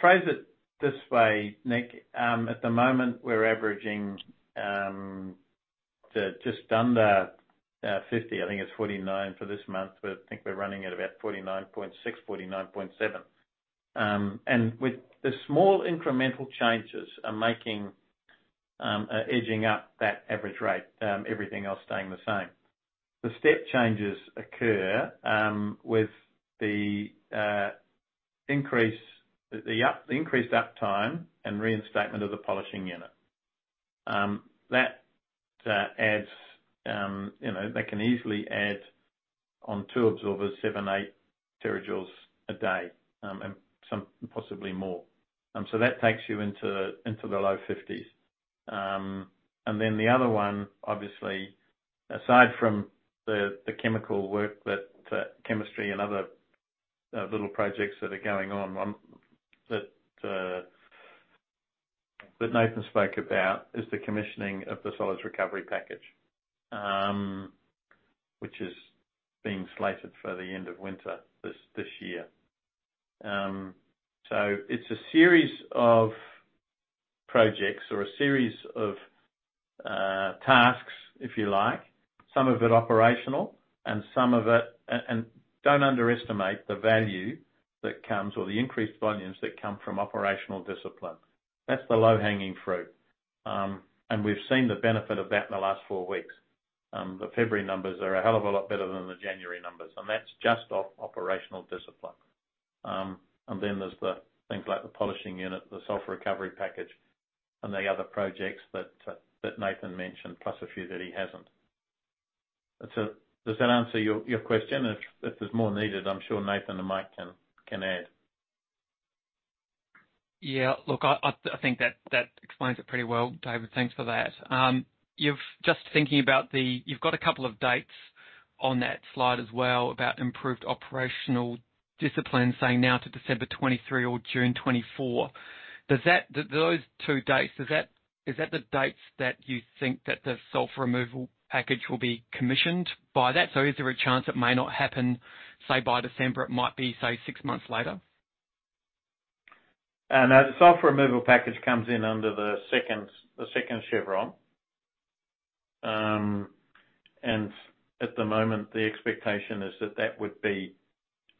phrase it this way, Nik. At the moment, we're averaging, just under 50. I think it's 49 for this month. I think we're running at about 49.6, 49.7. With the small incremental changes are making, edging up that average rate, everything else staying the same. The step changes occur with the increased uptime and reinstatement of the polishing unit. That adds, you know, that can easily add on two absorbers, 7-8 terajoules a day, and some possibly more. That takes you into the low 50s. The other one, obviously, aside from the chemical work that chemistry and other little projects that are going on, one that Nathan spoke about is the commissioning of the solids recovery package, which is being slated for the end of winter this year. It's a series of projects or a series of tasks, if you like, some of it operational and some of it. Don't underestimate the value that comes, or the increased volumes that come from operational discipline. That's the low-hanging fruit. We've seen the benefit of that in the last four weeks. The February numbers are a hell of a lot better than the January numbers. That's just off operational discipline. Then there's the things like the polishing unit, the self-recovery package and the other projects that Nathan mentioned, plus a few that he hasn't. Does that answer your question? If there's more needed, I'm sure Nathan and Mike can add. Yeah. Look, I think that explains it pretty well, David. Thanks for that. You've got a couple of dates on that slide as well about improved operational discipline, saying now to December 2023 or June 2024. Does that, those two dates, does that, is that the dates that you think that the sulfur removal package will be commissioned by that? Is there a chance it may not happen, say by December, it might be, say, six months later? No. The sulfur removal package comes in under the second chevron. At the moment, the expectation is that that would be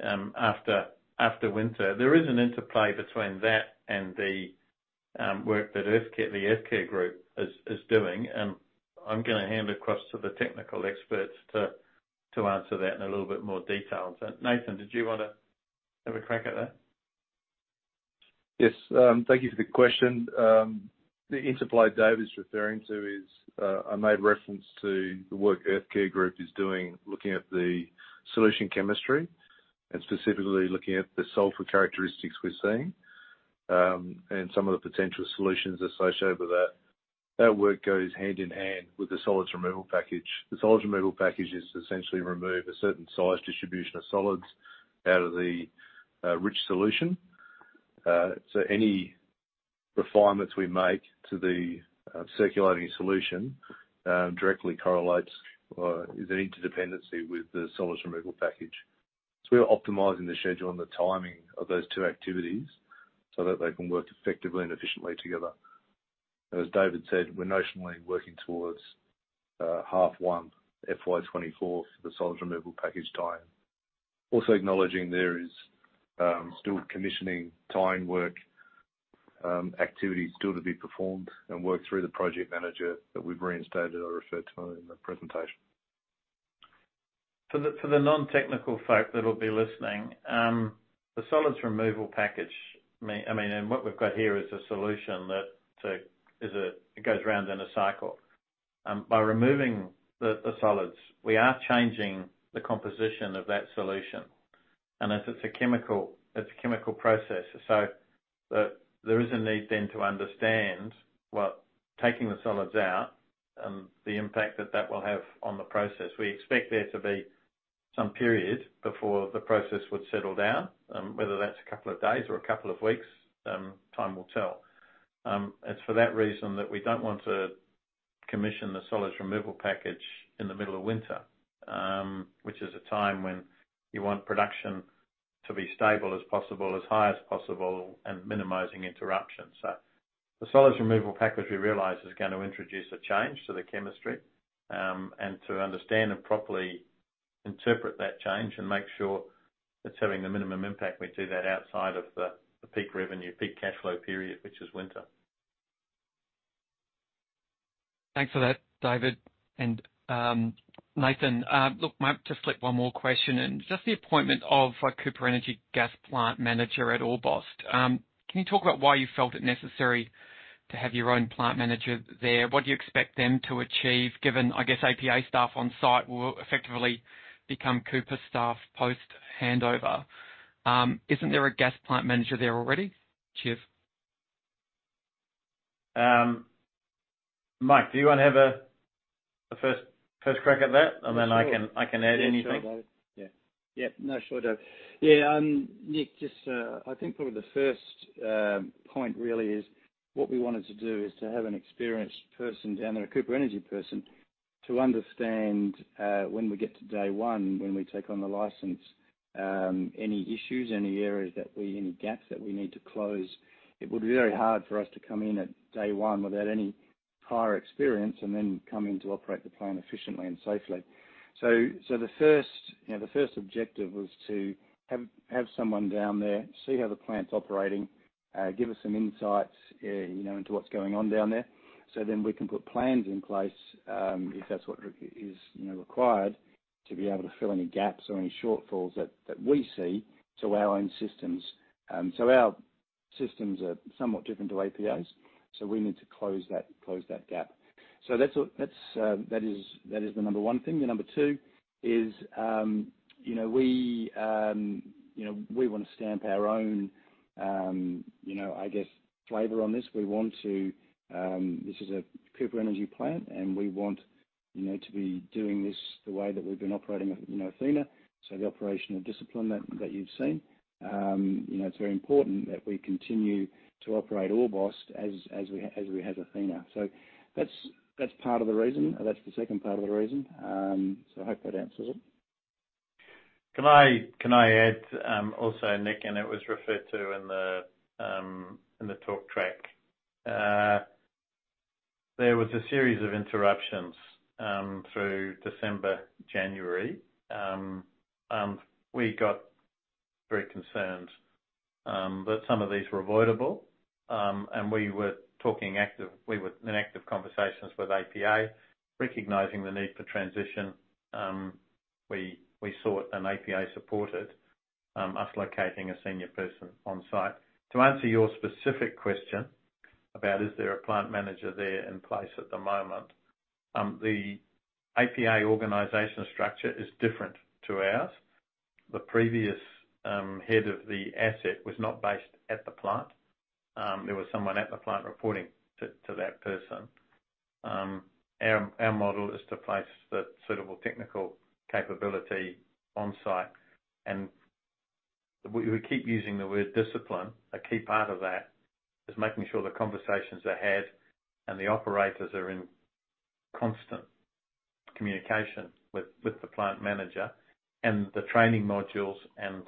after winter. There is an interplay between that and the work that the Earthcare Group is doing. I'm gonna hand across to the technical experts to answer that in a little bit more detail. Nathan, did you wanna have a crack at that? Yes. Thank you for the question. The interplay Dave is referring to is, I made reference to the work Earthcare Group is doing looking at the solution chemistry and specifically looking at the sulfur characteristics we're seeing, and some of the potential solutions associated with that. That work goes hand-in-hand with the solids removal package. The solids removal package is to essentially remove a certain size distribution of solids out of the rich solution. Any refinements we make to the circulating solution directly correlates or is an interdependency with the solids removal package. We are optimizing the schedule and the timing of those two activities so that they can work effectively and efficiently together. As David said, we're notionally working towards half one FY 2024 for the solids removal package tie-in. Acknowledging there is still commissioning tie-in work, activities still to be performed and work through the project manager that we've reinstated, I referred to earlier in the presentation. For the non-technical folk that'll be listening, I mean, what we've got here is a solution that goes round in a cycle. By removing the solids, we are changing the composition of that solution. As it's a chemical, it's a chemical process, there is a need then to understand what taking the solids out, the impact that that will have on the process. We expect there to be some period before the process would settle down, whether that's a couple of days or a couple of weeks, time will tell. It's for that reason that we don't want to commission the solids removal package in the middle of winter, which is a time when you want production to be stable as possible, as high as possible, and minimizing interruption. The solids removal package we realize is gonna introduce a change to the chemistry, and to understand and properly interpret that change and make sure it's having the minimum impact, we do that outside of the peak revenue, peak cashflow period, which is winter. Thanks for that, David and Nathan. Look, might just flick one more question in. Just the appointment of a Cooper Energy gas plant manager at Orbost. Can you talk about why you felt it necessary to have your own plant manager there? What do you expect them to achieve, given, I guess, APA staff on site will effectively become Cooper staff post-handover? Isn't there a gas plant manager there already? Cheers. Mike, do you wanna have a first crack at that? Yeah, sure. I can add anything. Yeah, sure, Dave. Yeah. Yeah. No, sure, Dave. Yeah, Nick, just, I think probably the first point really is what we wanted to do is to have an experienced person down there, a Cooper Energy person, to understand, when we get to day one, when we take on the license, any issues, any gaps that we need to close. It would be very hard for us to come in at day one without any prior experience and then come in to operate the plant efficiently and safely. The first, you know, the first objective was to have someone down there, see how the plant's operating, give us some insights, you know, into what's going on down there. We can put plans in place, if that's what is, you know, required to be able to fill any gaps or any shortfalls that we see to our own systems. Our systems are somewhat different to APA's, so we need to close that gap. That's what that is the number one thing. The number two is, you know, we wanna stamp our own, you know, I guess flavor on this. We want to. This is a Cooper Energy plant, and we want, you know, to be doing this the way that we've been operating with, you know, Athena. The operational discipline that you've seen. You know, it's very important that we continue to operate Orbost as we have Athena. That's, that's part of the reason. That's the second part of the reason. I hope that answers it. Can I add, also, Nick. It was referred to in the talk track. There was a series of interruptions through December, January. We got very concerned, but some of these were avoidable. We were in active conversations with APA, recognizing the need for transition. We sought and APA supported us locating a senior person on site. To answer your specific question about is there a plant manager there in place at the moment, the APA organizational structure is different to ours. The previous head of the asset was not based at the plant. There was someone at the plant reporting to that person. Our model is to place the suitable technical capability on site. We keep using the word discipline. A key part of that is making sure the conversations are had and the operators are in constant communication with the plant manager and the training modules and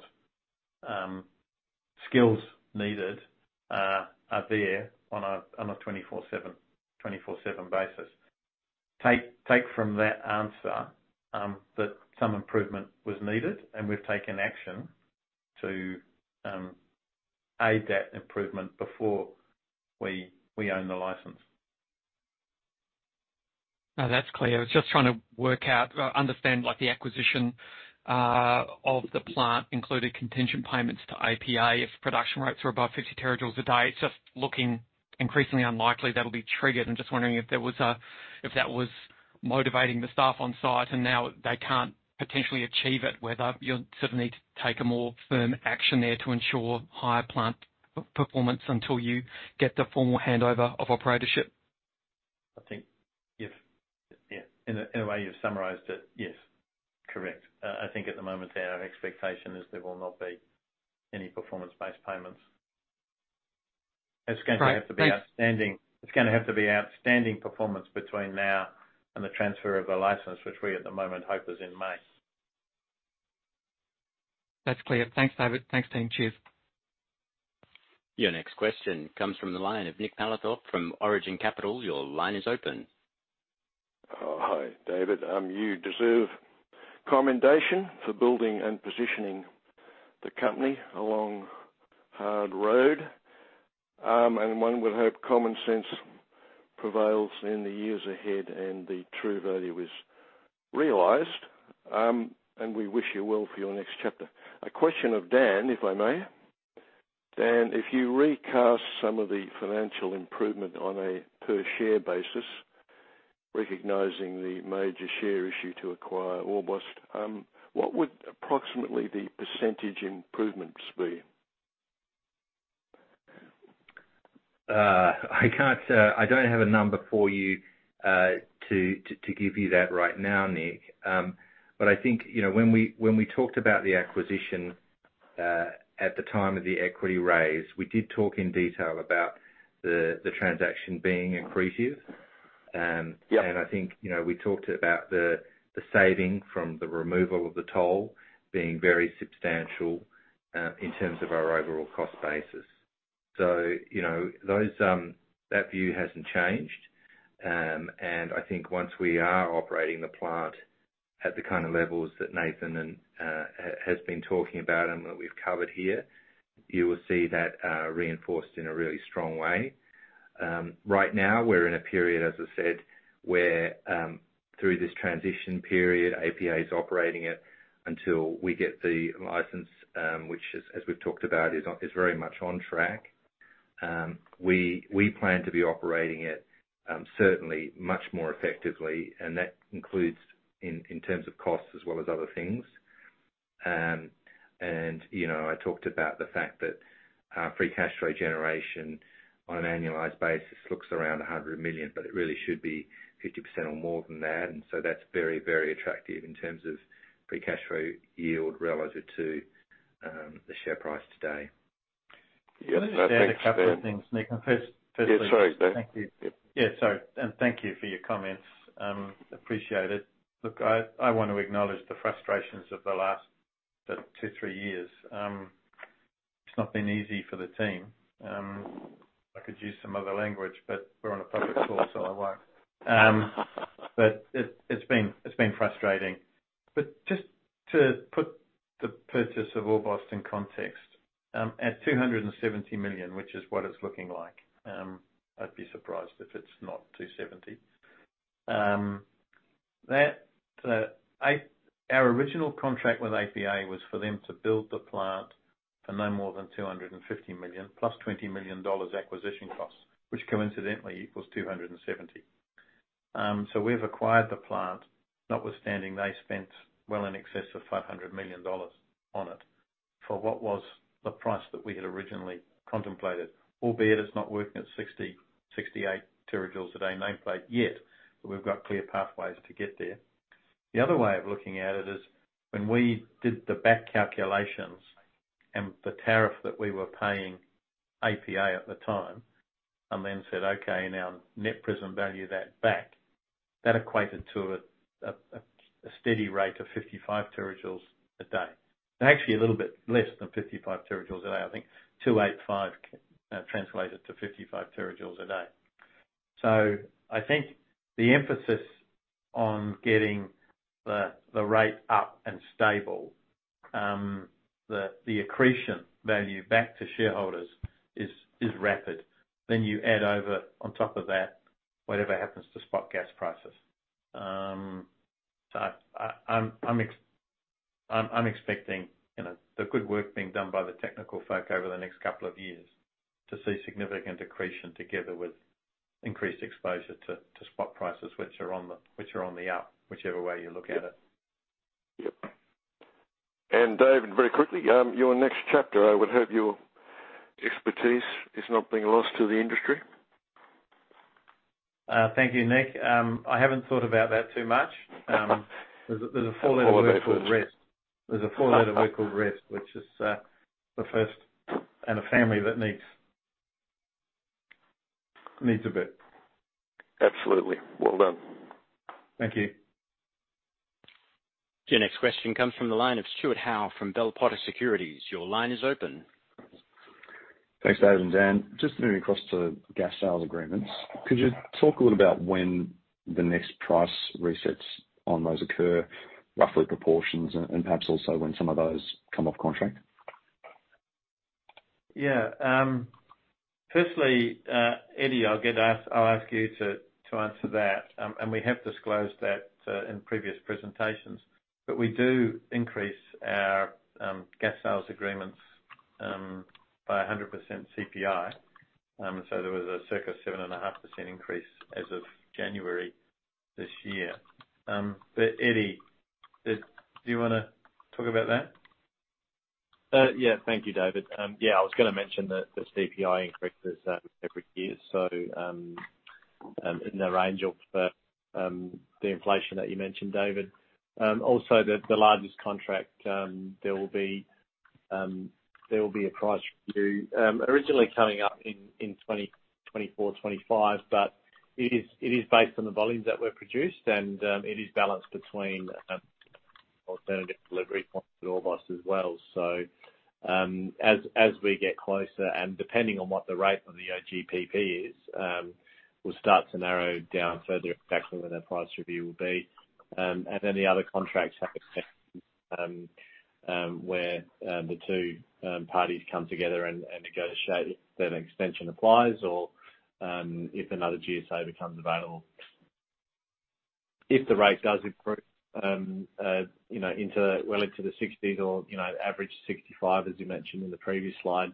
skills needed are there on a 24/7 basis. Take from that answer that some improvement was needed and we've taken action to aid that improvement before we own the license. No, that's clear. I was just trying to work out, understand like the acquisition of the plant, including contingent payments to APA if production rates are above 50 terajoules a day. It's just looking increasingly unlikely that'll be triggered. I'm just wondering if that was motivating the staff on-site, and now they can't potentially achieve it, whether you sort of need to take a more firm action there to ensure higher plant performance until you get the formal handover of operatorship. I think if, yeah, in a, in a way you've summarized it, yes. Correct. I think at the moment our expectation is there will not be any performance-based payments. Great. Thanks. It's gonna have to be outstanding, it's gonna have to be outstanding performance between now and the transfer of the license, which we at the moment hope is in May. That's clear. Thanks, David. Thanks, team. Cheers. Your next question comes from the line of Nick Paltoglou from Ord Minnett. Your line is open. Hi, David. You deserve commendation for building and positioning the company along Hard Road. One would hope common sense prevails in the years ahead and the true value is realized, and we wish you well for your next chapter. A question of Dan, if I may. Dan, if you recast some of the financial improvement on a per share basis, recognizing the major share issue to acquire Orbost, what would approximately the percentage improvements be? I can't. I don't have a number for you to give you that right now, Nick. I think, you know, when we talked about the acquisition, at the time of the equity raise, we did talk in detail about the transaction being accretive. Yeah. I think, you know, we talked about the saving from the removal of the toll being very substantial in terms of our overall cost basis. You know, those that view hasn't changed. I think once we are operating the plant at the kind of levels that Nathan has been talking about and that we've covered here, you will see that reinforced in a really strong way. Right now we're in a period, as I said, where through this transition period, APA is operating it until we get the license, which as we've talked about, is very much on track. We plan to be operating it certainly much more effectively, and that includes in terms of costs as well as other things. You know, I talked about the fact that free cash flow generation on an annualized basis looks around 100 million, but it really should be 50% or more than that. That's very, very attractive in terms of free cash flow yield relative to the share price today. Yeah. No, thanks, Dan. Can I just add a couple of things, Nick? Firstly, Yeah, sorry, Dave. Thank you. Yep. Yeah, sorry. Thank you for your comments. Appreciate it. Look, I want to acknowledge the frustrations of the last two, three years. It's not been easy for the team. I could use some other language, we're on a public call, so I won't. It's been frustrating. Just to put the purchase of Orbost in context, at 270 million, which is what it's looking like, I'd be surprised if it's not 270. That Our original contract with APA was for them to build the plant for no more than 250 million plus 20 million dollars acquisition costs, which coincidentally equals 270. We've acquired the plant, notwithstanding they spent well in excess of 500 million dollars on it, for what was the price that we had originally contemplated. Albeit it's not working at 60-68 terajoules a day nameplate yet, we've got clear pathways to get there. The other way of looking at it is when we did the back calculations and the tariff that we were paying APA at the time and then said, "Okay, now net present value that back," that equated to a steady rate of 55 terajoules a day. Actually, a little bit less than 55 terajoules a day. I think 285 translated to 55 terajoules a day. I think the emphasis on getting the rate up and stable, the accretion value back to shareholders is rapid. You add over on top of that whatever happens to spot gas prices. I'm expecting, you know, the good work being done by the technical folk over the next couple of years to see significant accretion together with increased exposure to spot prices which are on the up, whichever way you look at it. Yep. David, very quickly, your next chapter, I would hope your expertise is not being lost to the industry. Thank you, Nick. I haven't thought about that too much. There's a four-letter word called rest. I'll leave that. There's a four-letter word called rest, which is, the first. A family that needs a bit. Absolutely. Well done. Thank you. Your next question comes from the line of Stuart Howe from Bell Potter Securities. Your line is open. Thanks, Dave and Dan. Just moving across to gas sales agreements. Could you talk a little about when the next price resets on those occur, roughly proportions and perhaps also when some of those come off contract? Firstly, Eddie, I'll ask you to answer that. We have disclosed that in previous presentations, we do increase our gas sales agreements by 100% CPI. There was a circa 7.5% increase as of January this year. Eddie, Do you wanna talk about that? Yeah. Thank you, David. Yeah, I was gonna mention the CPI increases every year, so in the range of the inflation that you mentioned, David. Also the largest contract, there will be a price review, originally coming up in 2024, 2025, but it is based on the volumes that were produced and it is balanced between alternative delivery points with Orbost as well. As we get closer and depending on what the rate of the OGPP is, we'll start to narrow down further exactly when that price review will be. Then the other contracts have extended where the two parties come together and negotiate if an extension applies or if another GSA becomes available. If the rate does improve, you know, into well into the 60s or, you know, average 65, as you mentioned in the previous slide,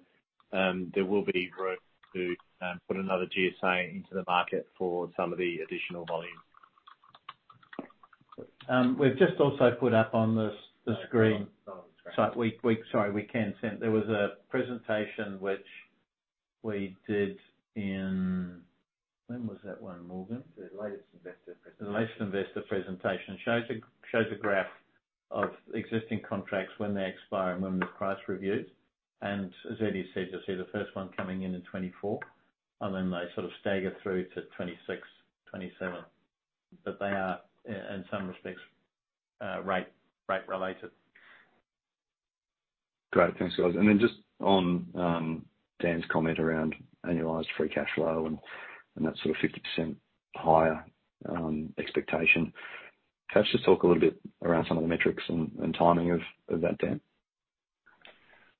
there will be room to put another GSA into the market for some of the additional volume. We've just also put up on the screen. Sorry Sorry, we can send. There was a presentation which we did in... When was that one, Morgan? The latest investor presentation. The latest investor presentation. Shows a graph of existing contracts, when they expire and when the price reviews. As Eddie said, you'll see the first one coming in in 2024, and then they sort of stagger through to 2026, 2027. They are in some respects, rate related. Great. Thanks, guys. Then just on Dan's comment around annualized free cash flow and that sort of 50% higher expectation, can I just talk a little bit around some of the metrics and timing of that, Dan?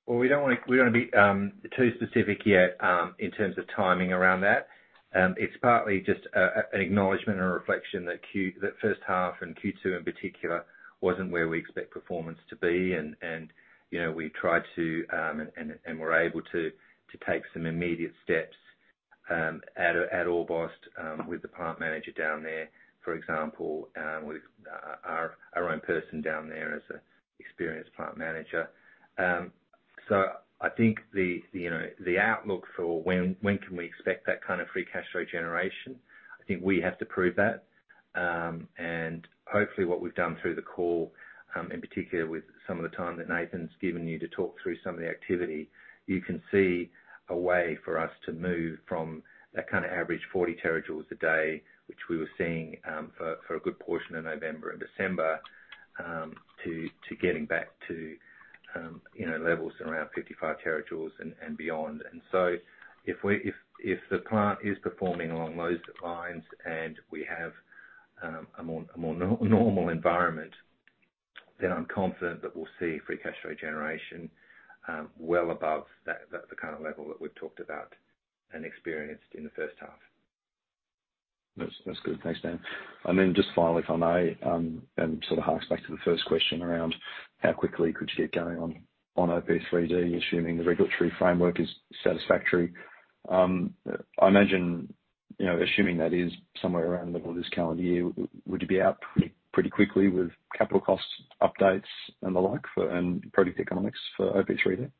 Well, we don't wanna be too specific yet in terms of timing around that. It's partly just an acknowledgement and a reflection that first half and Q2 in particular wasn't where we expect performance to be. You know, we tried to and were able to take some immediate steps at Orbost with the plant manager down there, for example, with our own person down there as an experienced plant manager. I think the, you know, the outlook for when can we expect that kind of free cash flow generation, I think we have to prove that. Hopefully what we've done through the call, in particular with some of the time that Nathan's given you to talk through some of the activity, you can see a way for us to move from that kinda average 40 terajoules a day, which we were seeing for a good portion of November and December, to getting back to, you know, levels around 55 terajoules and beyond. If the plant is performing along those lines and we have a more normal environment, then I'm confident that we'll see free cash flow generation well above that, the current level that we've talked about and experienced in the first half. That's good. Thanks, Dan. Just finally, if I may, sort of harks back to the first question around how quickly could you get going on OP3D, assuming the regulatory framework is satisfactory. I imagine, you know, assuming that is somewhere around the middle of this calendar year, would you be out pretty quickly with capital costs updates and the like for, and product economics for OP3D?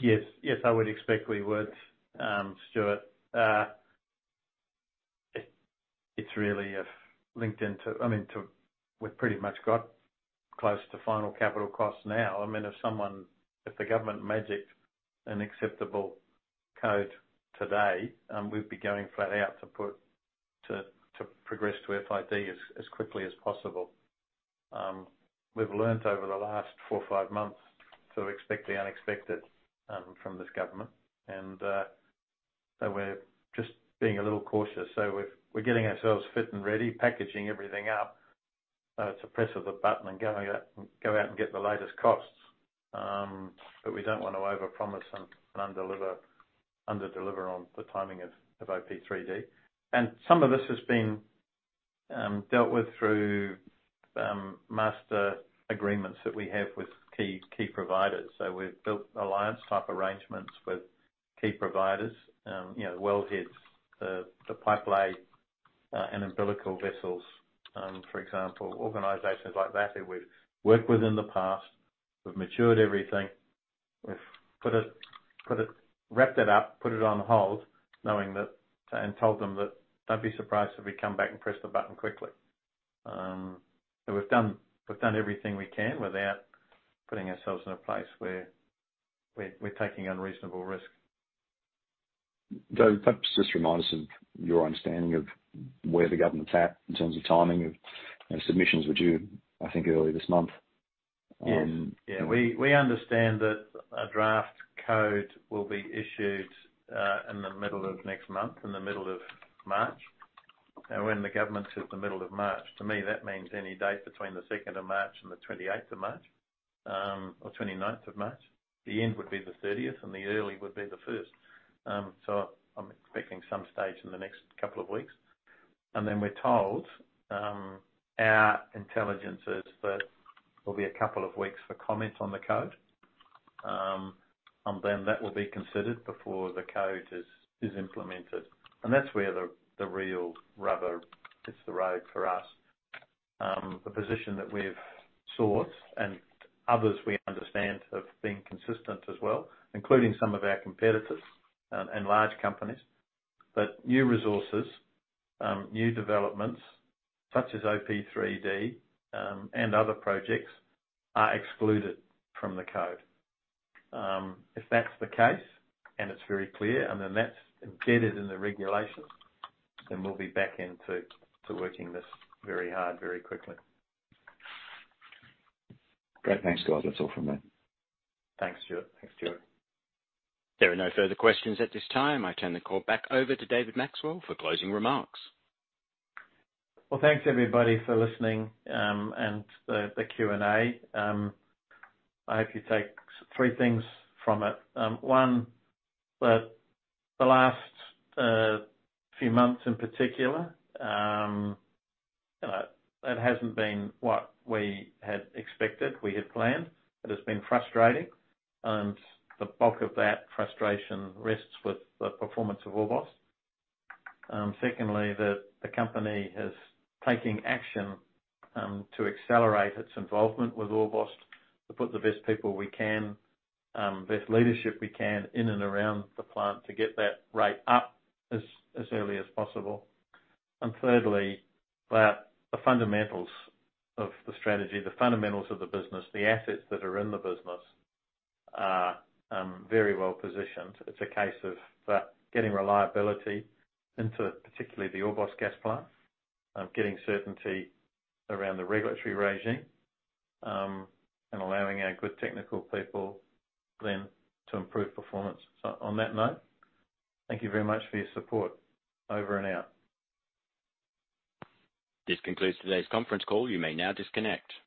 Yes. Yes, I would expect we would, Stuart. It, it's really linked into... I mean, we've pretty much got close to final capital costs now. I mean, if someone, if the government magicked an acceptable code today, we'd be going flat out to progress to FID as quickly as possible. We've learned over the last four, five months to expect the unexpected from this government. We're just being a little cautious. We're getting ourselves fit and ready, packaging everything up to press of the button and go out and get the latest costs. We don't wanna overpromise and under-deliver on the timing of OP3D. Some of this has been dealt with through master agreements that we have with key providers. We've built alliance type arrangements with key providers, you know, wellheads, the pipe lay, and umbilical vessels. For example, organizations like that who we've worked with in the past. We've matured everything. We've put it, wrapped it up, put it on hold, knowing that, and told them that don't be surprised if we come back and press the button quickly. We've done everything we can without putting ourselves in a place where we're taking unreasonable risk. Dave, perhaps just remind us of your understanding of where the government's at in terms of timing of, you know, submissions were due, I think, earlier this month? Yes. Yeah. We understand that a draft code will be issued in the middle of next month, in the middle of March. Now, when the government says the middle of March, to me, that means any date between the second of March and the 28th of March, or 29th of March. The end would be the 30th and the early would be the first. So I'm expecting some stage in the next couple of weeks. Then we're told, our intelligence is that it'll be a couple of weeks for comment on the code. Then that will be considered before the code is implemented. That's where the real rubber hits the road for us. The position that we've sought, and others we understand have been consistent as well, including some of our competitors and large companies. New resources, new developments, such as OP3D, and other projects are excluded from the code. If that's the case, and it's very clear, and then that's embedded in the regulations, then we'll be back into working this very hard, very quickly. Great. Thanks, guys. That's all from me. Thanks, Stuart. Thanks, Joey. There are no further questions at this time. I turn the call back over to David Maxwell for closing remarks. Well, thanks, everybody, for listening, and to the Q&A. I hope you take three things from it. One, that the last few months, in particular, you know, it hasn't been what we had expected, we had planned. It has been frustrating, and the bulk of that frustration rests with the performance of Orbost. Secondly, the company is taking action to accelerate its involvement with Orbost, to put the best people we can, best leadership we can in and around the plant to get that rate up as early as possible. Thirdly, that the fundamentals of the strategy, the fundamentals of the business, the assets that are in the business are very well positioned. It's a case of getting reliability into particularly the Orbost gas plant, getting certainty around the regulatory regime, and allowing our good technical people then to improve performance. On that note, thank you very much for your support. Over and out. This concludes today's conference call. You may now disconnect.